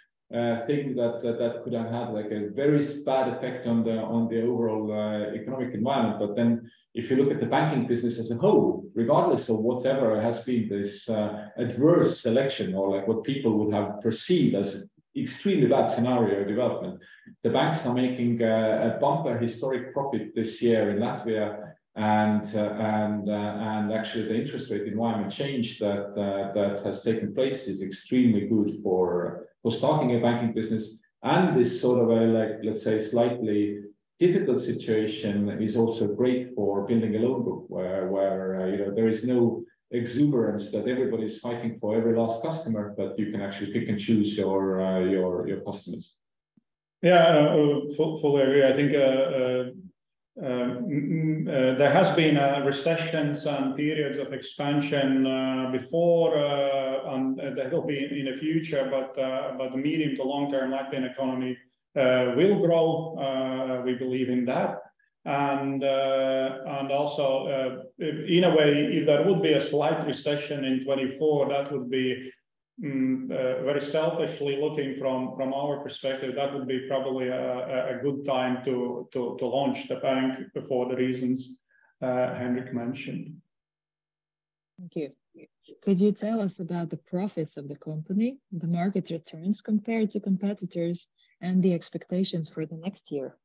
thing that could have had, like, a very bad effect on the overall economic environment. Then if you look at the banking business as a whole, regardless of whatever has been this adverse selection or, like, what people would have perceived as extremely bad scenario development, the banks are making a bumper historic profit this year in Latvia. Actually, the interest rate environment change that has taken place is extremely good for starting a banking business. This sort of a, like, let's say, slightly difficult situation is also great for building a loan book, where, where, you know, there is no exuberance that everybody's fighting for every last customer, but you can actually pick and choose your, your, your customers. Yeah, fully agree. I think there has been recessions and periods of expansion before, and there will be in the future, but the medium to long-term Latvian economy will grow. We believe in that. And also, in a way, if there would be a slight recession in 2024, that would be very selfishly looking from, from our perspective, that would be probably a good time to launch the bank for the reasons Henrik mentioned. Thank you. Could you tell us about the profits of the company, the market returns compared to competitors, and the expectations for the next year?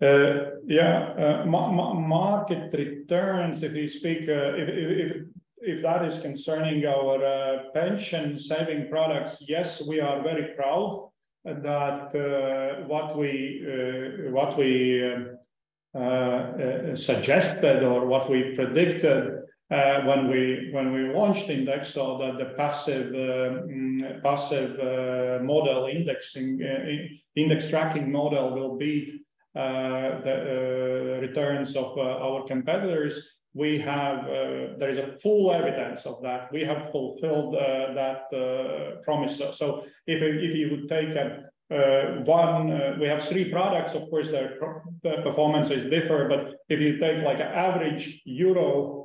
Yeah. Market returns, if you speak, if that is concerning our pension saving products, yes, we are very proud that what we, what we suggested or what we predicted, when we, when we launched Indexo, that the passive passive model indexing index tracking model will beat the returns of our competitors. We have, there is a full evidence of that. We have fulfilled that promise. If you, if you would take one... We have three products, of course, their performance is different, but if you take like an average euro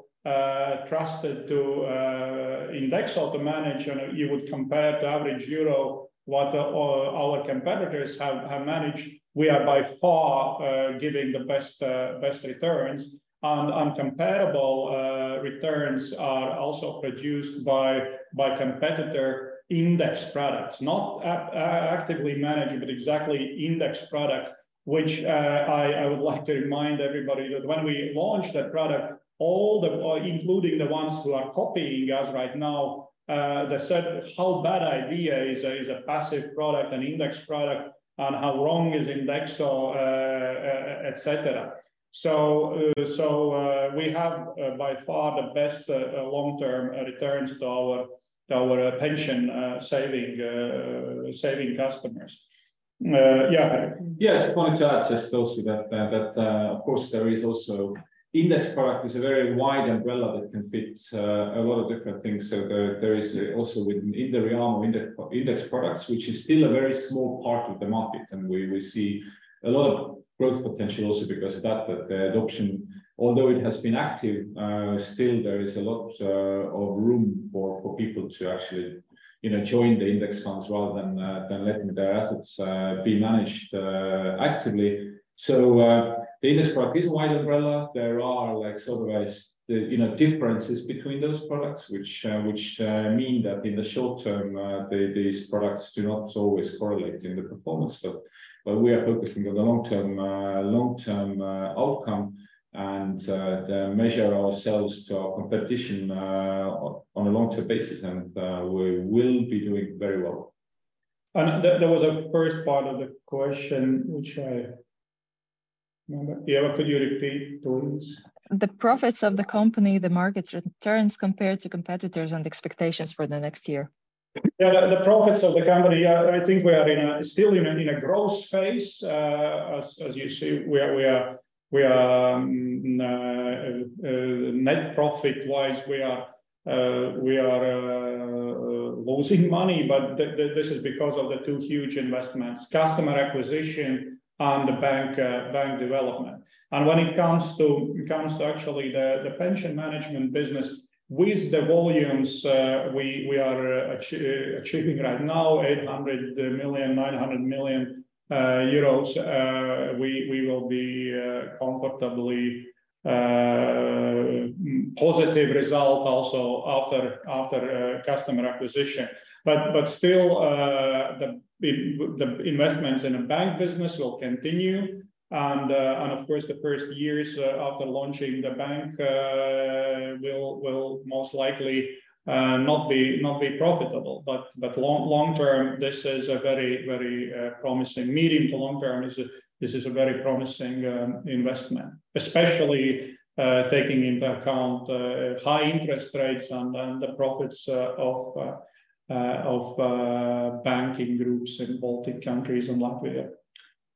trusted to Indexo to manage, and you would compare to average euro what our competitors have managed, we are by far giving the best returns. Comparable returns are also produced by competitor index products, not actively managed, but exactly index products, which I would like to remind everybody that when we launched that product, all including the ones who are copying us right now, they said, "How bad idea is a passive product, an index product, and how wrong is Indexo," et cetera. We have by far the best long-term returns to our pension saving customers. Yeah, Henrik. Yes, I wanted to add just also that, that, of course, there is also index product is a very wide umbrella that can fit a lot of different things. There, there is also within, in the realm of index, index products, which is still a very small part of the market, and we, we see a lot of growth potential also because of that. The adoption, although it has been active, still there is a lot of room for, for people to actually, you know, join the index funds rather than than letting their assets be managed actively. The index product is a wide umbrella. There are, like, sort of a, you know, differences between those products, which, which, mean that in the short term, these products do not always correlate in the performance. We are focusing on the long-term, long-term outcome and measure ourselves to our competition on a long-term basis, and we will be doing very well. There, there was a first part of the question, which I- Ieva, could you repeat please? The profits of the company, the market returns compared to competitors, and expectations for the next year. Yeah, the, the profits of the company are, I think we are in a, still in a, in a growth phase. As, as you see, we are, we are, we are, net profit-wise, we are, we are, losing money, but this is because of the two huge investments: customer acquisition and the bank, bank development. When it comes to, it comes to actually the, the pension management business, with the volumes, we are achieving right now, 800 million, 900 million euros, we will be, comfortably, positive result also after, after, customer acquisition. Still, the, the investments in the bank business will continue, and of course, the first years, after launching the bank, will, will most likely, not be, not be profitable. Long, long term, this is a very, very promising. Medium to long term, this is a very promising investment, especially taking into account high interest rates and then the profits of banking groups in Baltic countries and Latvia,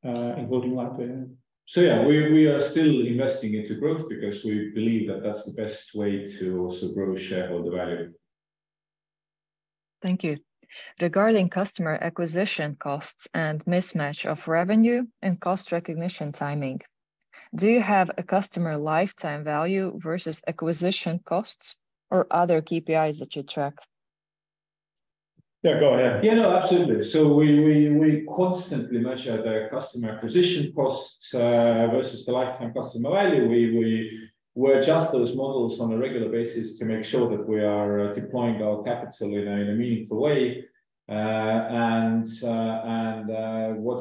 including Latvia. Yeah, we, we are still investing into growth because we believe that that's the best way to also grow shareholder value. Thank you. Regarding customer acquisition costs and mismatch of revenue and cost recognition timing, do you have a customer lifetime value versus acquisition costs or other KPIs that you track? Yeah, go ahead. Yeah, no, absolutely. We, we, we constantly measure the customer acquisition costs versus the lifetime customer value. We, we, we adjust those models on a regular basis to make sure that we are deploying our capital in a meaningful way. What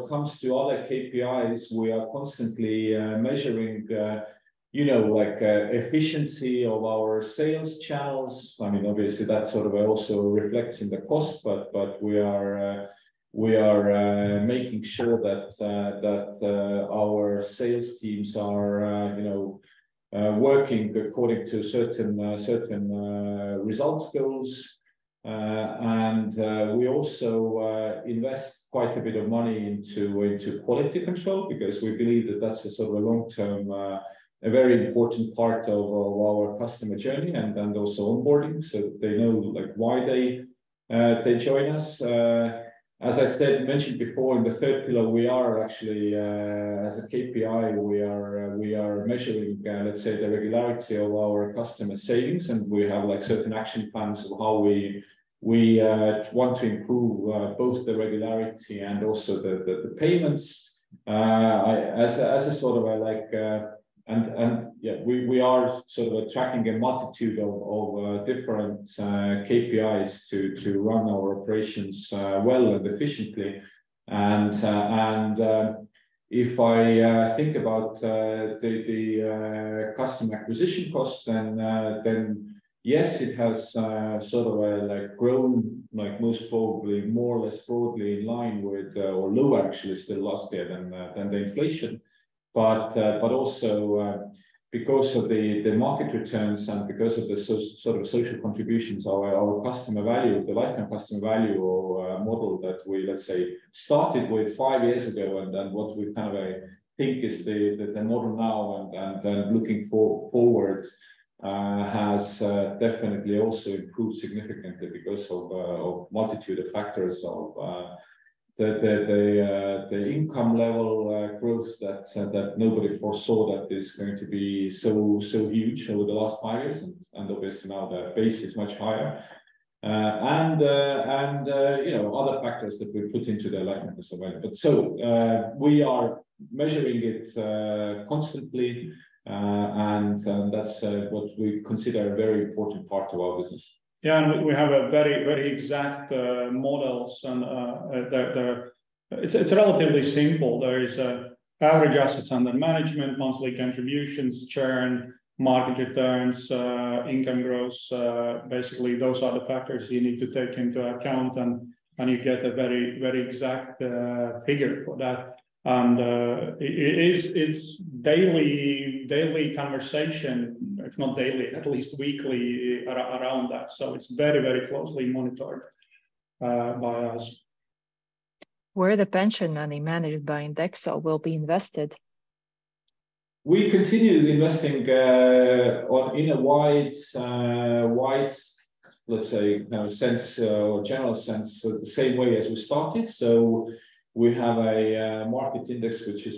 comes to other KPIs, we are constantly measuring, you know, like efficiency of our sales channels. I mean, obviously, that sort of also reflects in the cost, but, but we are, we are making sure that, that, our sales teams are, you know, working according to certain, certain, results goals. We also invest quite a bit of money into, into quality control because we believe that that's a sort of a long-term, a very important part of, of our customer journey and, and also onboarding, so they know, like, why they join us. As I said, mentioned before, in the 3rd pillar, we are actually, as a KPI, we are measuring, let's say, the regularity of our customer savings, and we have, like, certain action plans of how we, we want to improve, both the regularity and also the, the, the payments. Yeah, we, we are sort of tracking a multitude of, of different KPIs to, to run our operations well and efficiently. If I think about the customer acquisition costs, then then yes, it has sort of like grown, like most probably more or less broadly in line with, or lower actually the last year than than the inflation. Also, because of the market returns and because of the sort of social contributions, our customer value, the lifetime customer value or, model that we, let's say, started with five years ago, and then what we kind of, think is the model now and looking forward, has definitely also improved significantly because of multitude of factors of the income level growth that nobody foresaw that is going to be so, so huge over the last five years. Obviously now the base is much higher. You know, other factors that we put into the lifetime as well. We are measuring it, constantly, and, and that's what we consider a very important part of our business. Yeah, and we have a very, very exact models. It's relatively simple. There is average assets under management, monthly contributions, churn, market returns, income growth. Basically, those are the factors you need to take into account, and you get a very, very exact figure for that. It's daily, daily conversation. If not daily, at least weekly around that. It's very, very closely monitored by us. Where the pension money managed by Indexo will be invested? We continue investing, on in a wide, wide, let's say, you know, sense, or general sense, the same way as we started. We have a, market index, which is,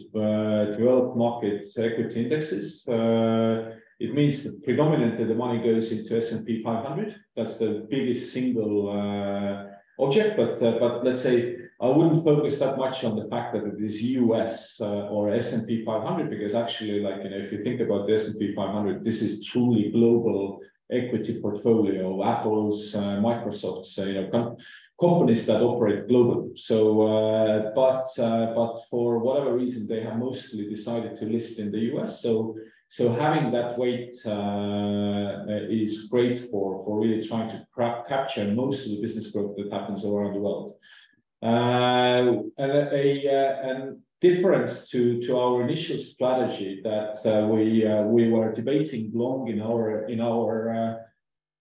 developed markets equity indexes. It means that predominantly the money goes into S&P 500. That's the biggest single, object. But let's say I wouldn't focus that much on the fact that it is U.S., or S&P 500, because actually, like, you know, if you think about the S&P 500, this is truly global equity portfolio, Apple, Microsoft, you know, companies that operate globally. But for whatever reason, they have mostly decided to list in the U.S. Having that weight, is great for, for really trying to capture most of the business growth that happens around the world. And a difference to our initial strategy that we were debating long in our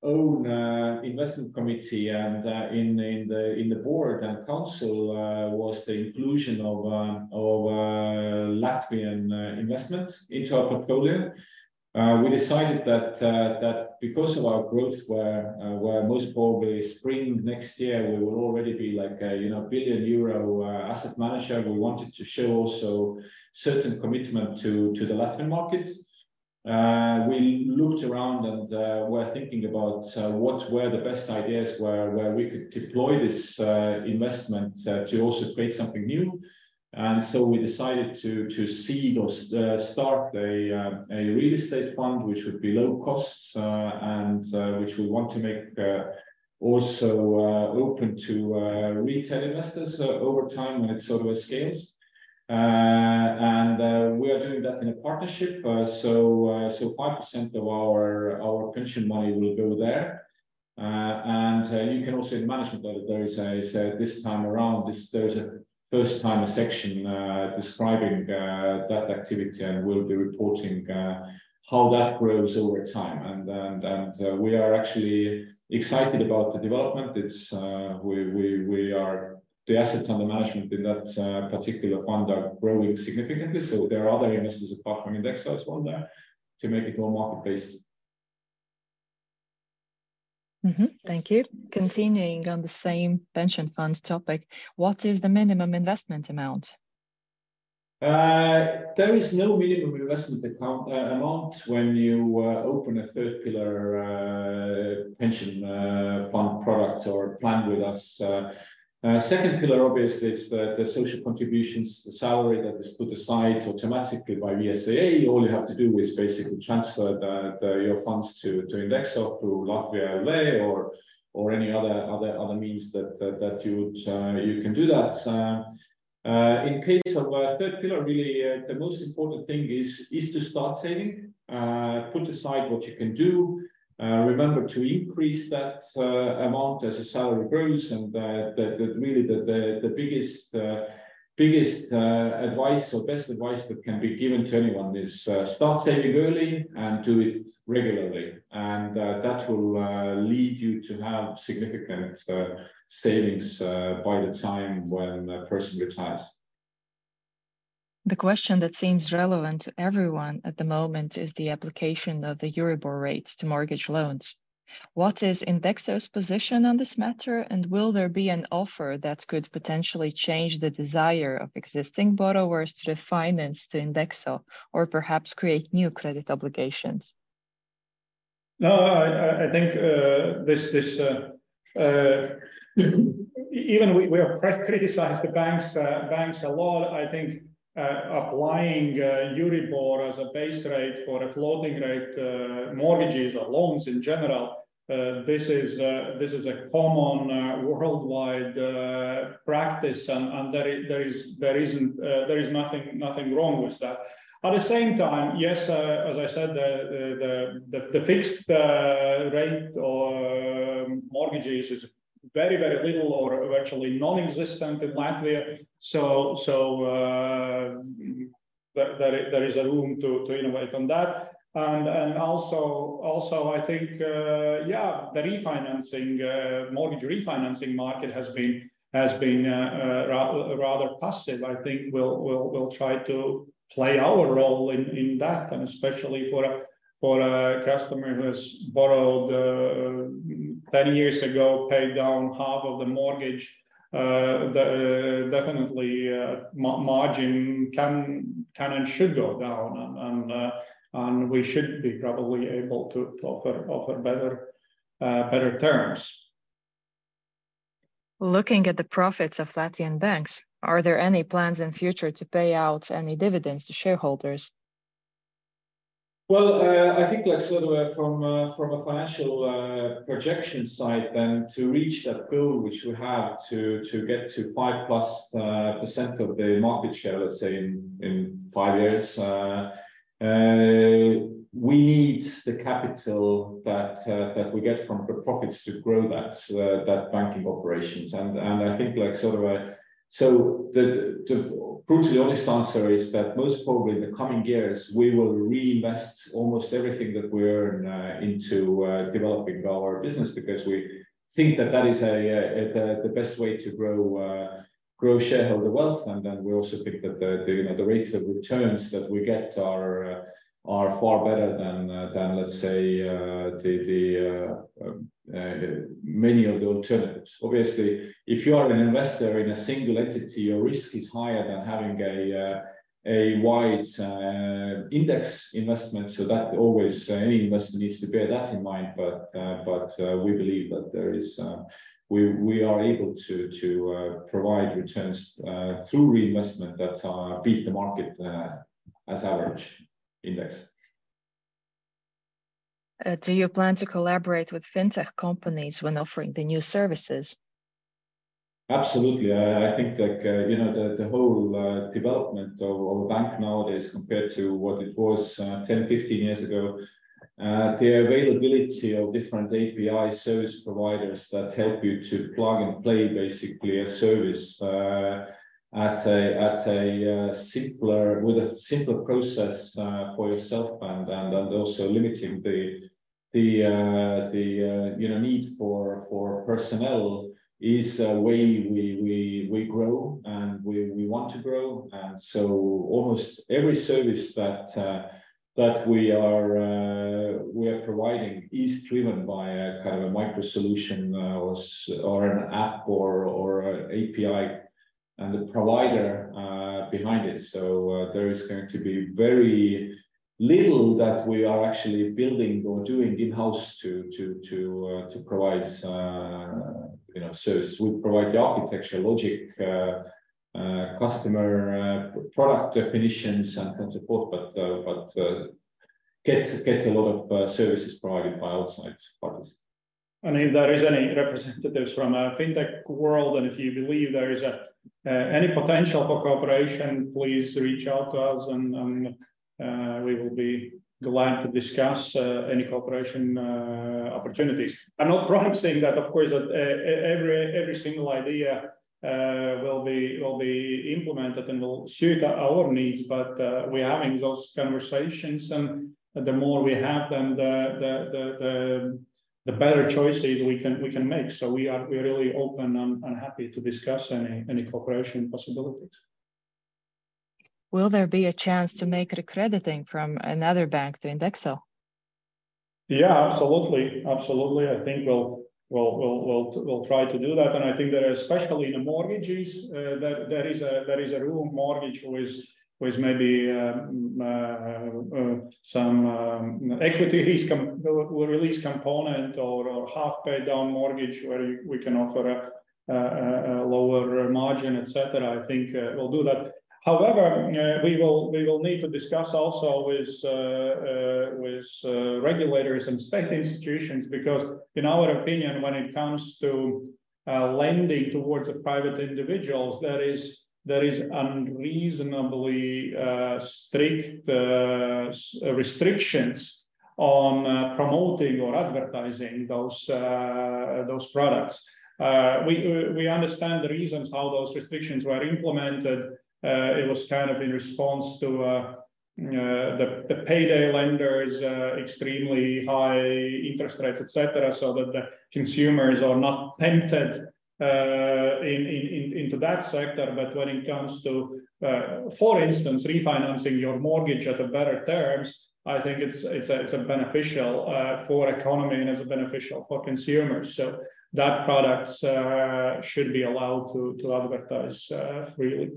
own investment committee and in the board and council, was the inclusion of Latvian investment into our portfolio. We decided that because of our growth, where most probably spring next year, we will already be like a, you know, billion euro asset manager. We wanted to show also certain commitment to the Latvian market. We looked around and were thinking about what were the best ideas where we could deploy this investment to also create something new. We decided to, to seed or start a real estate fund, which would be low costs, and which we want to make also open to retail investors over time when it sort of scales. We are doing that in a partnership. So 5% of our, our pension money will go there. You can also in the management letter, there is. This time around, there's a first time a section describing that activity, and we'll be reporting how that grows over time. We are actually excited about the development. It's, we are. The assets under management in that particular fund are growing significantly, so there are other investors apart from Indexo as well there to make it more marketplace. Mm-hmm. Thank you. Continuing on the same pension funds topic, what is the minimum investment amount? There is no minimum investment account amount when you open a 3rd pillar pension fund product or plan with us. 2nd pillar, obviously, is the social contributions, the salary that is put aside automatically by VSAA. All you have to do is basically transfer the your funds to Indexo, through Latvia or any other other other means that you would, you can do that. In case of 3rd pillar, really, the most important thing is to start saving. Put aside what you can do. Remember to increase that amount as the salary grows, and the really the the the biggest biggest advice or best advice that can be given to anyone is start saving early and do it regularly. That will lead you to have significant savings by the time when a person retires. The question that seems relevant to everyone at the moment is the application of the EURIBOR rates to mortgage loans. What is Indexo's position on this matter, and will there be an offer that could potentially change the desire of existing borrowers to refinance to Indexo or perhaps create new credit obligations? No, I think, this, even we have criticized the banks a lot. I think, applying EURIBOR as a base rate or a floating rate, mortgages or loans in general, this is a common, worldwide, practice, and there isn't, there is nothing wrong with that. At the same time, yes, as I said, the fixed rate or mortgages is very, very little or actually nonexistent in Latvia. There is a room to innovate on that. Also, I think, yeah, the refinancing, mortgage refinancing market has been rather passive. I think we'll, we'll, we'll try to play our role in, in that, especially for a, for a customer who has borrowed, 10 years ago, paid down half of the mortgage, Definitely, margin can, can and should go down, and, and, and we should be probably able to offer, offer better, better terms. Looking at the profits of Latvian banks, are there any plans in future to pay out any dividends to shareholders? Well, I think, like, sort of, from a, from a financial, projection side, then to reach that goal, which we have to, to get to 5+% of the market share, let's say, in, in five years, we need the capital that, that we get from the profits to grow that, that banking operations. I think, like, sort of, so the, the brutally honest answer is that most probably in the coming years, we will reinvest almost everything that we earn, into, developing our business, because we think that that is a, the, the best way to grow, grow shareholder wealth. We also think that the, the, you know, the rates of returns that we get are far better than, let's say, the many of the alternatives. Obviously, if you are an investor in a single entity, your risk is higher than having a wide index investment, so that always any investor needs to bear that in mind. We believe that there is, we are able to provide returns through reinvestment that beat the market as average index. Do you plan to collaborate with fintech companies when offering the new services? Absolutely. I, I think, like, you know, the whole development of a bank nowadays compared to what it was 10, 15 years ago. The availability of different API service providers that help you to plug and play, basically, a service at a simpler, with a simpler process for yourself and, and, and also limiting the, the, you know, need for, for personnel is a way we, we, we grow, and we, we want to grow. So almost every service that we are providing is driven by a kind of a micro solution or an app or a API and the provider behind it. There is going to be very little that we are actually building or doing in-house to provide, you know, services. We provide the architecture, logic, customer product definitions and support, but get a lot of services provided by outside partners. If there is any representatives from a fintech world, and if you believe there is a any potential for cooperation, please reach out to us, we will be glad to discuss any cooperation opportunities. I'm not promising that, of course, that every, every single idea will be, will be implemented and will suit our needs, but we're having those conversations, and the more we have them, the better choices we can, we can make. We are really open and happy to discuss any, any cooperation possibilities. Will there be a chance to make re-crediting from another bank to Indexo? Yeah, absolutely. Absolutely. I think we'll, we'll, we'll, we'll, we'll try to do that. I think that especially in the mortgages, that there is a, there is a rural mortgage with, with maybe, some, equity lease release component or, or half paid down mortgage, where we can offer a, a, a lower margin, et cetera. I think we'll do that. However, we will, we will need to discuss also with, with, regulators and state institutions, because in our opinion, when it comes to, lending towards the private individuals, there is, there is unreasonably, strict, restrictions on, promoting or advertising those, those products. We, we, we understand the reasons how those restrictions were implemented. It was kind of in response to the payday lenders, extremely high interest rates, et cetera, so that the consumers are not tempted in, in, in, into that sector. When it comes to, for instance, refinancing your mortgage at a better terms, I think it's, it's a beneficial for economy and is beneficial for consumers. That products should be allowed to advertise freely.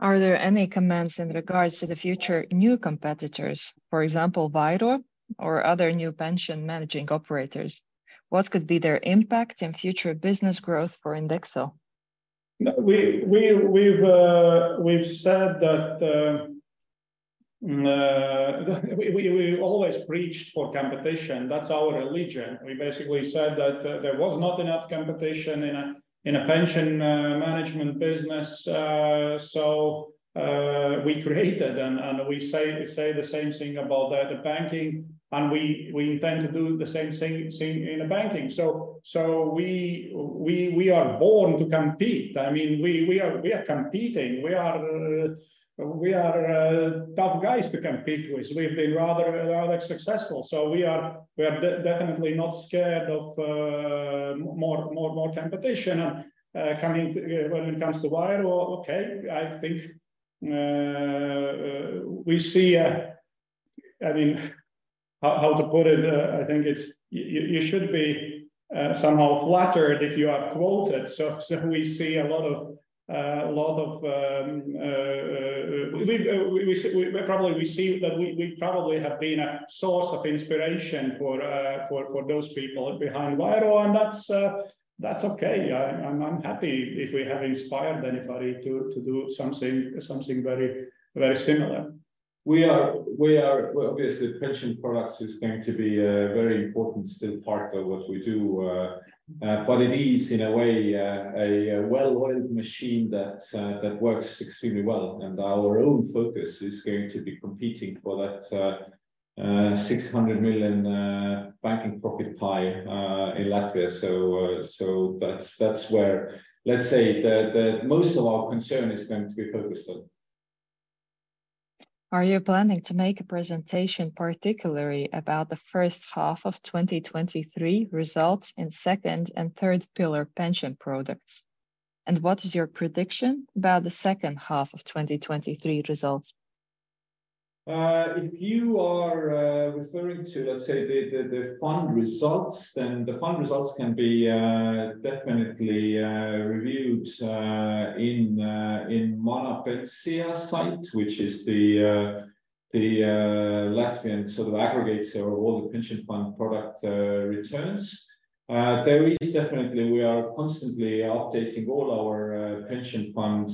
Are there any comments in regards to the future new competitors, for example, Vairo or other new pension managing operators? What could be their impact in future business growth for Indexo? We, we, we've, we've said that, we, we, we always preached for competition. That's our religion. We basically said that, there was not enough competition in a, in a pension management business. So, we created and, and we say, say the same thing about the, the banking, and we, we intend to do the same thing, same in the banking. So, we, we, we are born to compete. I mean, we, we are, we are competing. We are, we are tough guys to compete with. We've been rather, rather successful. We are, we are de- definitely not scared of more, more, more competition. Coming to... When it comes to Vairo, okay, I think, we see, I mean, how, how to put it? I think it's... You should be somehow flattered if you are quoted. We see a lot of, a lot of, we, we probably we see that we, we probably have been a source of inspiration for, for, for those people behind Vairo. That's that's okay. I, I'm, I'm happy if we have inspired anybody to, to do something, something very, very similar. We are, obviously, pension products is going to be a very important still part of what we do. It is, in a way, a well-oiled machine that works extremely well, and our own focus is going to be competing for that 600 million banking profit pie in Latvia. That's where, let's say, the most of our concern is going to be focused on. Are you planning to make a presentation, particularly about the 1st half of 2023 results in 2nd and 3rd pillar pension products? What is your prediction about the 2nd half of 2023 results? If you are referring to, let's say, the, the, the fund results, then the fund results can be definitely reviewed in Mana Pensija site, which is the, the Latvian sort of aggregator of all the pension fund product returns. There is definitely. We are constantly updating all our pension fund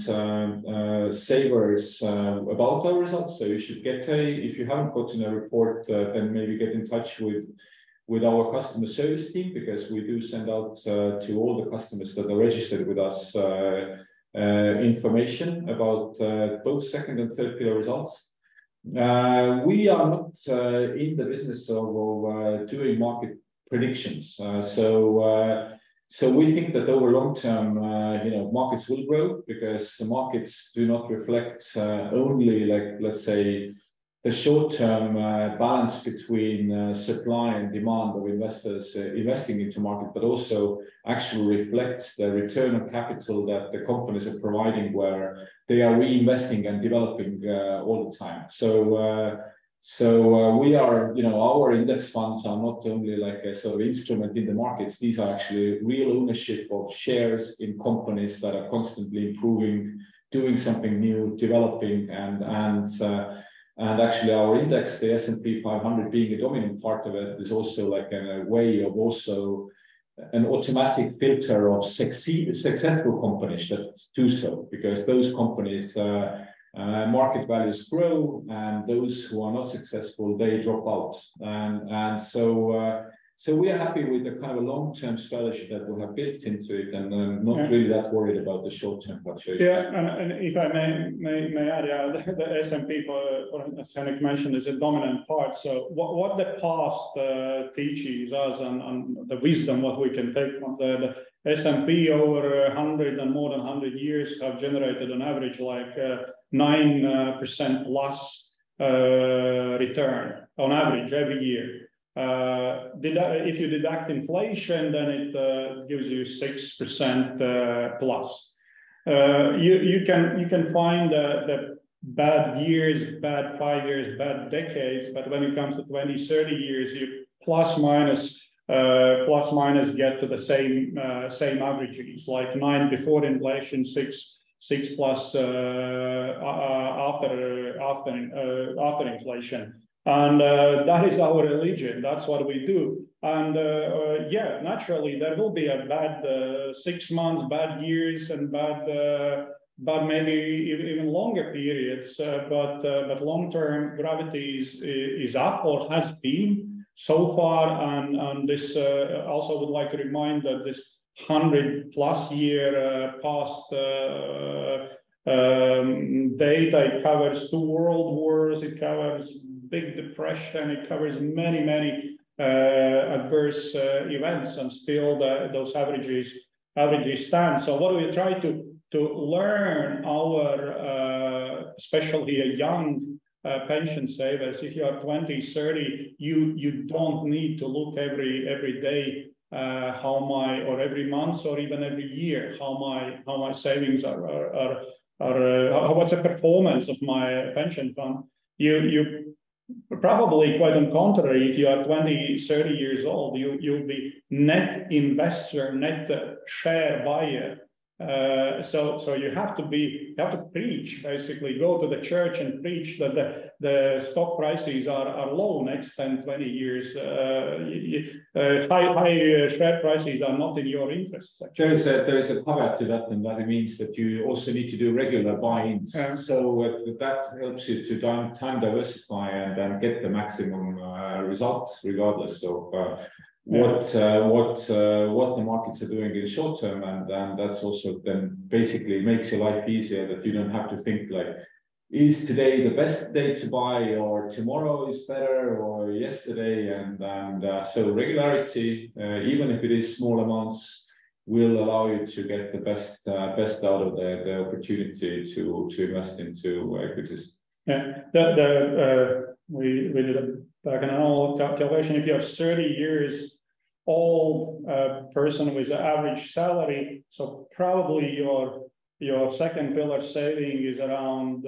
savers about our results. So you should get a. If you haven't gotten a report, then maybe get in touch with, with our customer service team, because we do send out to all the customers that are registered with us, information about both second and third pillar results. We are not in the business of, of doing market predictions. We think that over long term, you know, markets will grow because the markets do not reflect only like, let's say, the short-term balance between supply and demand of investors investing into market, but also actually reflects the return on capital that the companies are providing, where they are reinvesting and developing all the time. We are, you know, our index funds are not only like a sort of instrument in the markets, these are actually real ownership of shares in companies that are constantly improving, doing something new, developing. Actually, our index, the S&P 500, being a dominant part of it, is also like a way of also an automatic filter of successful companies that do so, because those companies market values grow, and those who are not successful, they drop out. So we are happy with the kind of long-term scholarship that we have built into it, and I'm not really that worried about the short-term fluctuation. Yeah, if I may add, yeah, the S&P, for, for, as Henrik mentioned, is a dominant part. What the past teaches us and the wisdom, what we can take from the S&P over 100 and more than 100 years, have generated on average, like 9%+ return on average every year. Deduct... If you deduct inflation, then it gives you 6%+. You can find the bad years, bad five years, bad decades, but when it comes to 20, 30 years, you plus, minus, plus, minus, get to the same, same averages, like nine before inflation, 6, 6+ after, after inflation. That is our religion. That's what we do. Naturally, there will be a bad six months, bad years, and bad maybe even longer periods. But long-term gravity is up or has been so far. This also would like to remind that this 100+ year past data, it covers 2nd world wars, it covers big depression, it covers many, many adverse events, and still those averages stand. What we try to learn our, especially young, pension savers, if you are 20, 30, you don't need to look every day, how my... or every month, or even every year, how my, how my savings are, how, what's the performance of my pension fund? You, you probably, quite on contrary, if you are 20, 30 years old, you, you'll be net investor, net share buyer. You have to be, you have to preach, basically, go to the church and preach that the, the stock prices are, are low next 10, 20 years. You, high, high share prices are not in your interest. There is a caveat to that, and that means that you also need to do regular buy-ins. Yeah. That helps you to time, time diversify and then get the maximum results, regardless of. Yeah ... what, what, what the markets are doing in the short term. That's also then basically makes your life easier, that you don't have to think like, "Is today the best day to buy, or tomorrow is better, or yesterday?" Regularity, even if it is small amounts, will allow you to get the best, best out of the, the opportunity to, to invest into equities. Yeah. The, the, we, we did a back-in-all calculation. If you are 30 years old, person with an average salary, probably your, your second pillar saving is around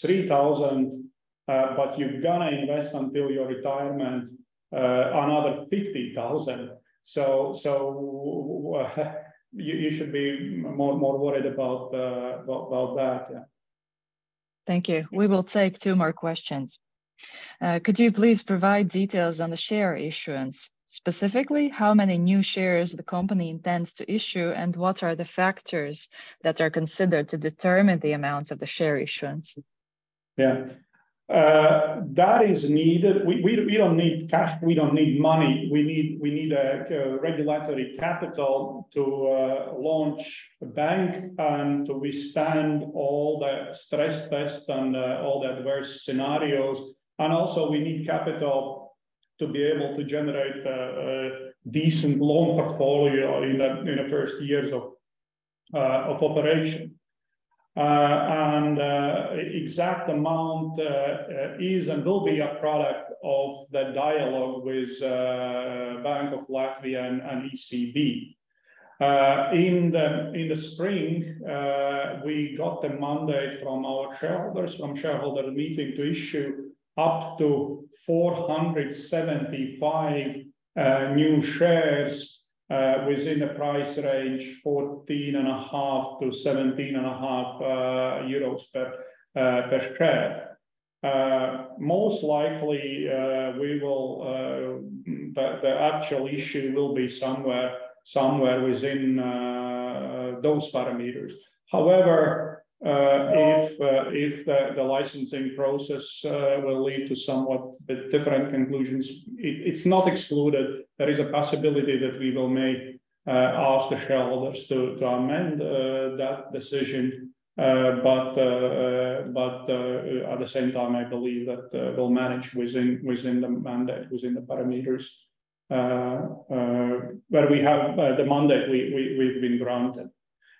3,000, but you're gonna invest until your retirement another 50,000. You, you should be more, more worried about, about, about that, yeah. Thank you. We will take two more questions. Could you please provide details on the share issuance? Specifically, how many new shares the company intends to issue, and what are the factors that are considered to determine the amount of the share issuance? Yeah. That is needed. We, we, we don't need cash, we don't need money. We need a regulatory capital to launch a bank and to withstand all the stress tests and all the adverse scenarios. Also, we need capital to be able to generate a decent loan portfolio in the first years of operation. Exact amount is and will be a product of the dialogue with Bank of Latvia and ECB. In the spring, we got the mandate from our shareholders, from shareholder meeting, to issue up to 475 new shares within a price range 14.5-17.5 euros per share. Most likely, we will... The, the actual issue will be somewhere, somewhere within those parameters. However, if, if the, the licensing process... to somewhat bit different conclusions. It, it's not excluded. There is a possibility that we will may ask the shareholders to, to amend that decision. At the same time, I believe that we'll manage within, within the mandate, within the parameters that we have, the mandate we, we, we've been granted.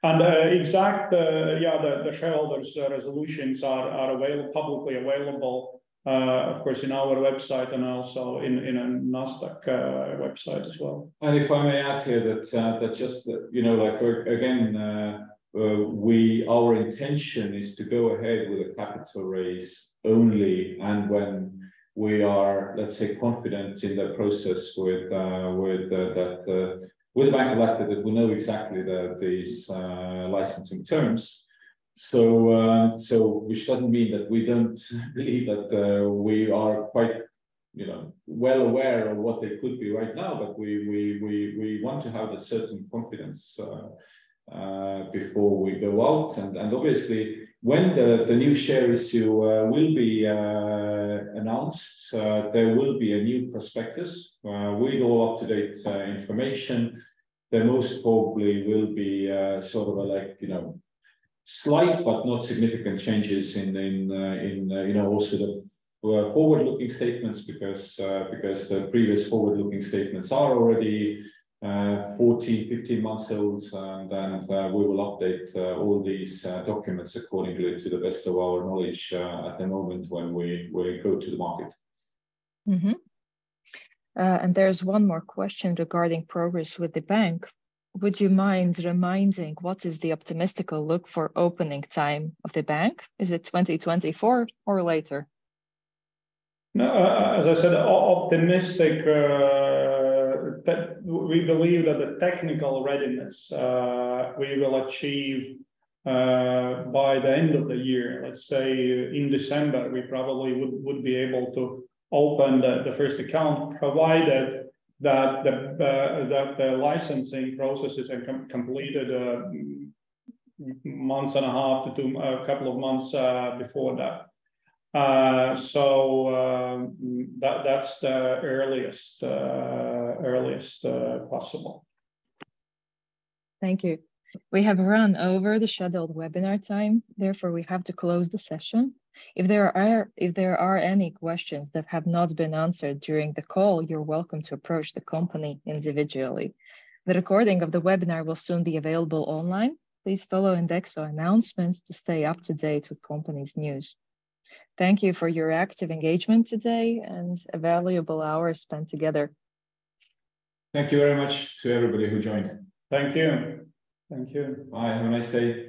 Exact, yeah, the, the shareholders' resolutions are, are avail-- publicly available, of course, in our website and also in, in Nasdaq website as well. If I may add here that, that just, you know, like, again, our intention is to go ahead with a capital raise only and when we are, let's say, confident in the process with, with the, that, with the Bank of Latvia, that we know exactly the, these, licensing terms. Which doesn't mean that we don't believe that, we are quite, you know, well aware of what they could be right now. We, we, we, we want to have a certain confidence before we go out. Obviously, when the, the new share issue will be announced, there will be a new prospectus with all up-to-date information. There most probably will be sort of like, you know, slight but not significant changes in, in, in, you know, also the forward-looking statements because because the previous forward-looking statements are already 14, 15 months old. Then, we will update all these documents accordingly to the best of our knowledge at the moment when we, we go to the market. There's one more question regarding progress with the bank. Would you mind reminding what is the optimistic look for opening time of the bank? Is it 2024 or later? No, as I said, optimistic, that we believe that the technical readiness, we will achieve by the end of the year. Let's say, in December, we probably would, would be able to open the, the first account, provided that the, that the licensing processes are completed, one and half to two months, two months, before that. So, that, that's the earliest, earliest, possible. Thank you. We have run over the scheduled webinar time, therefore, we have to close the session. If there are any questions that have not been answered during the call, you're welcome to approach the company individually. The recording of the webinar will soon be available online. Please follow Indexo announcements to stay up to date with company's news. Thank you for your active engagement today and a valuable hour spent together. Thank you very much to everybody who joined. Thank you. Thank you. Bye. Have a nice day.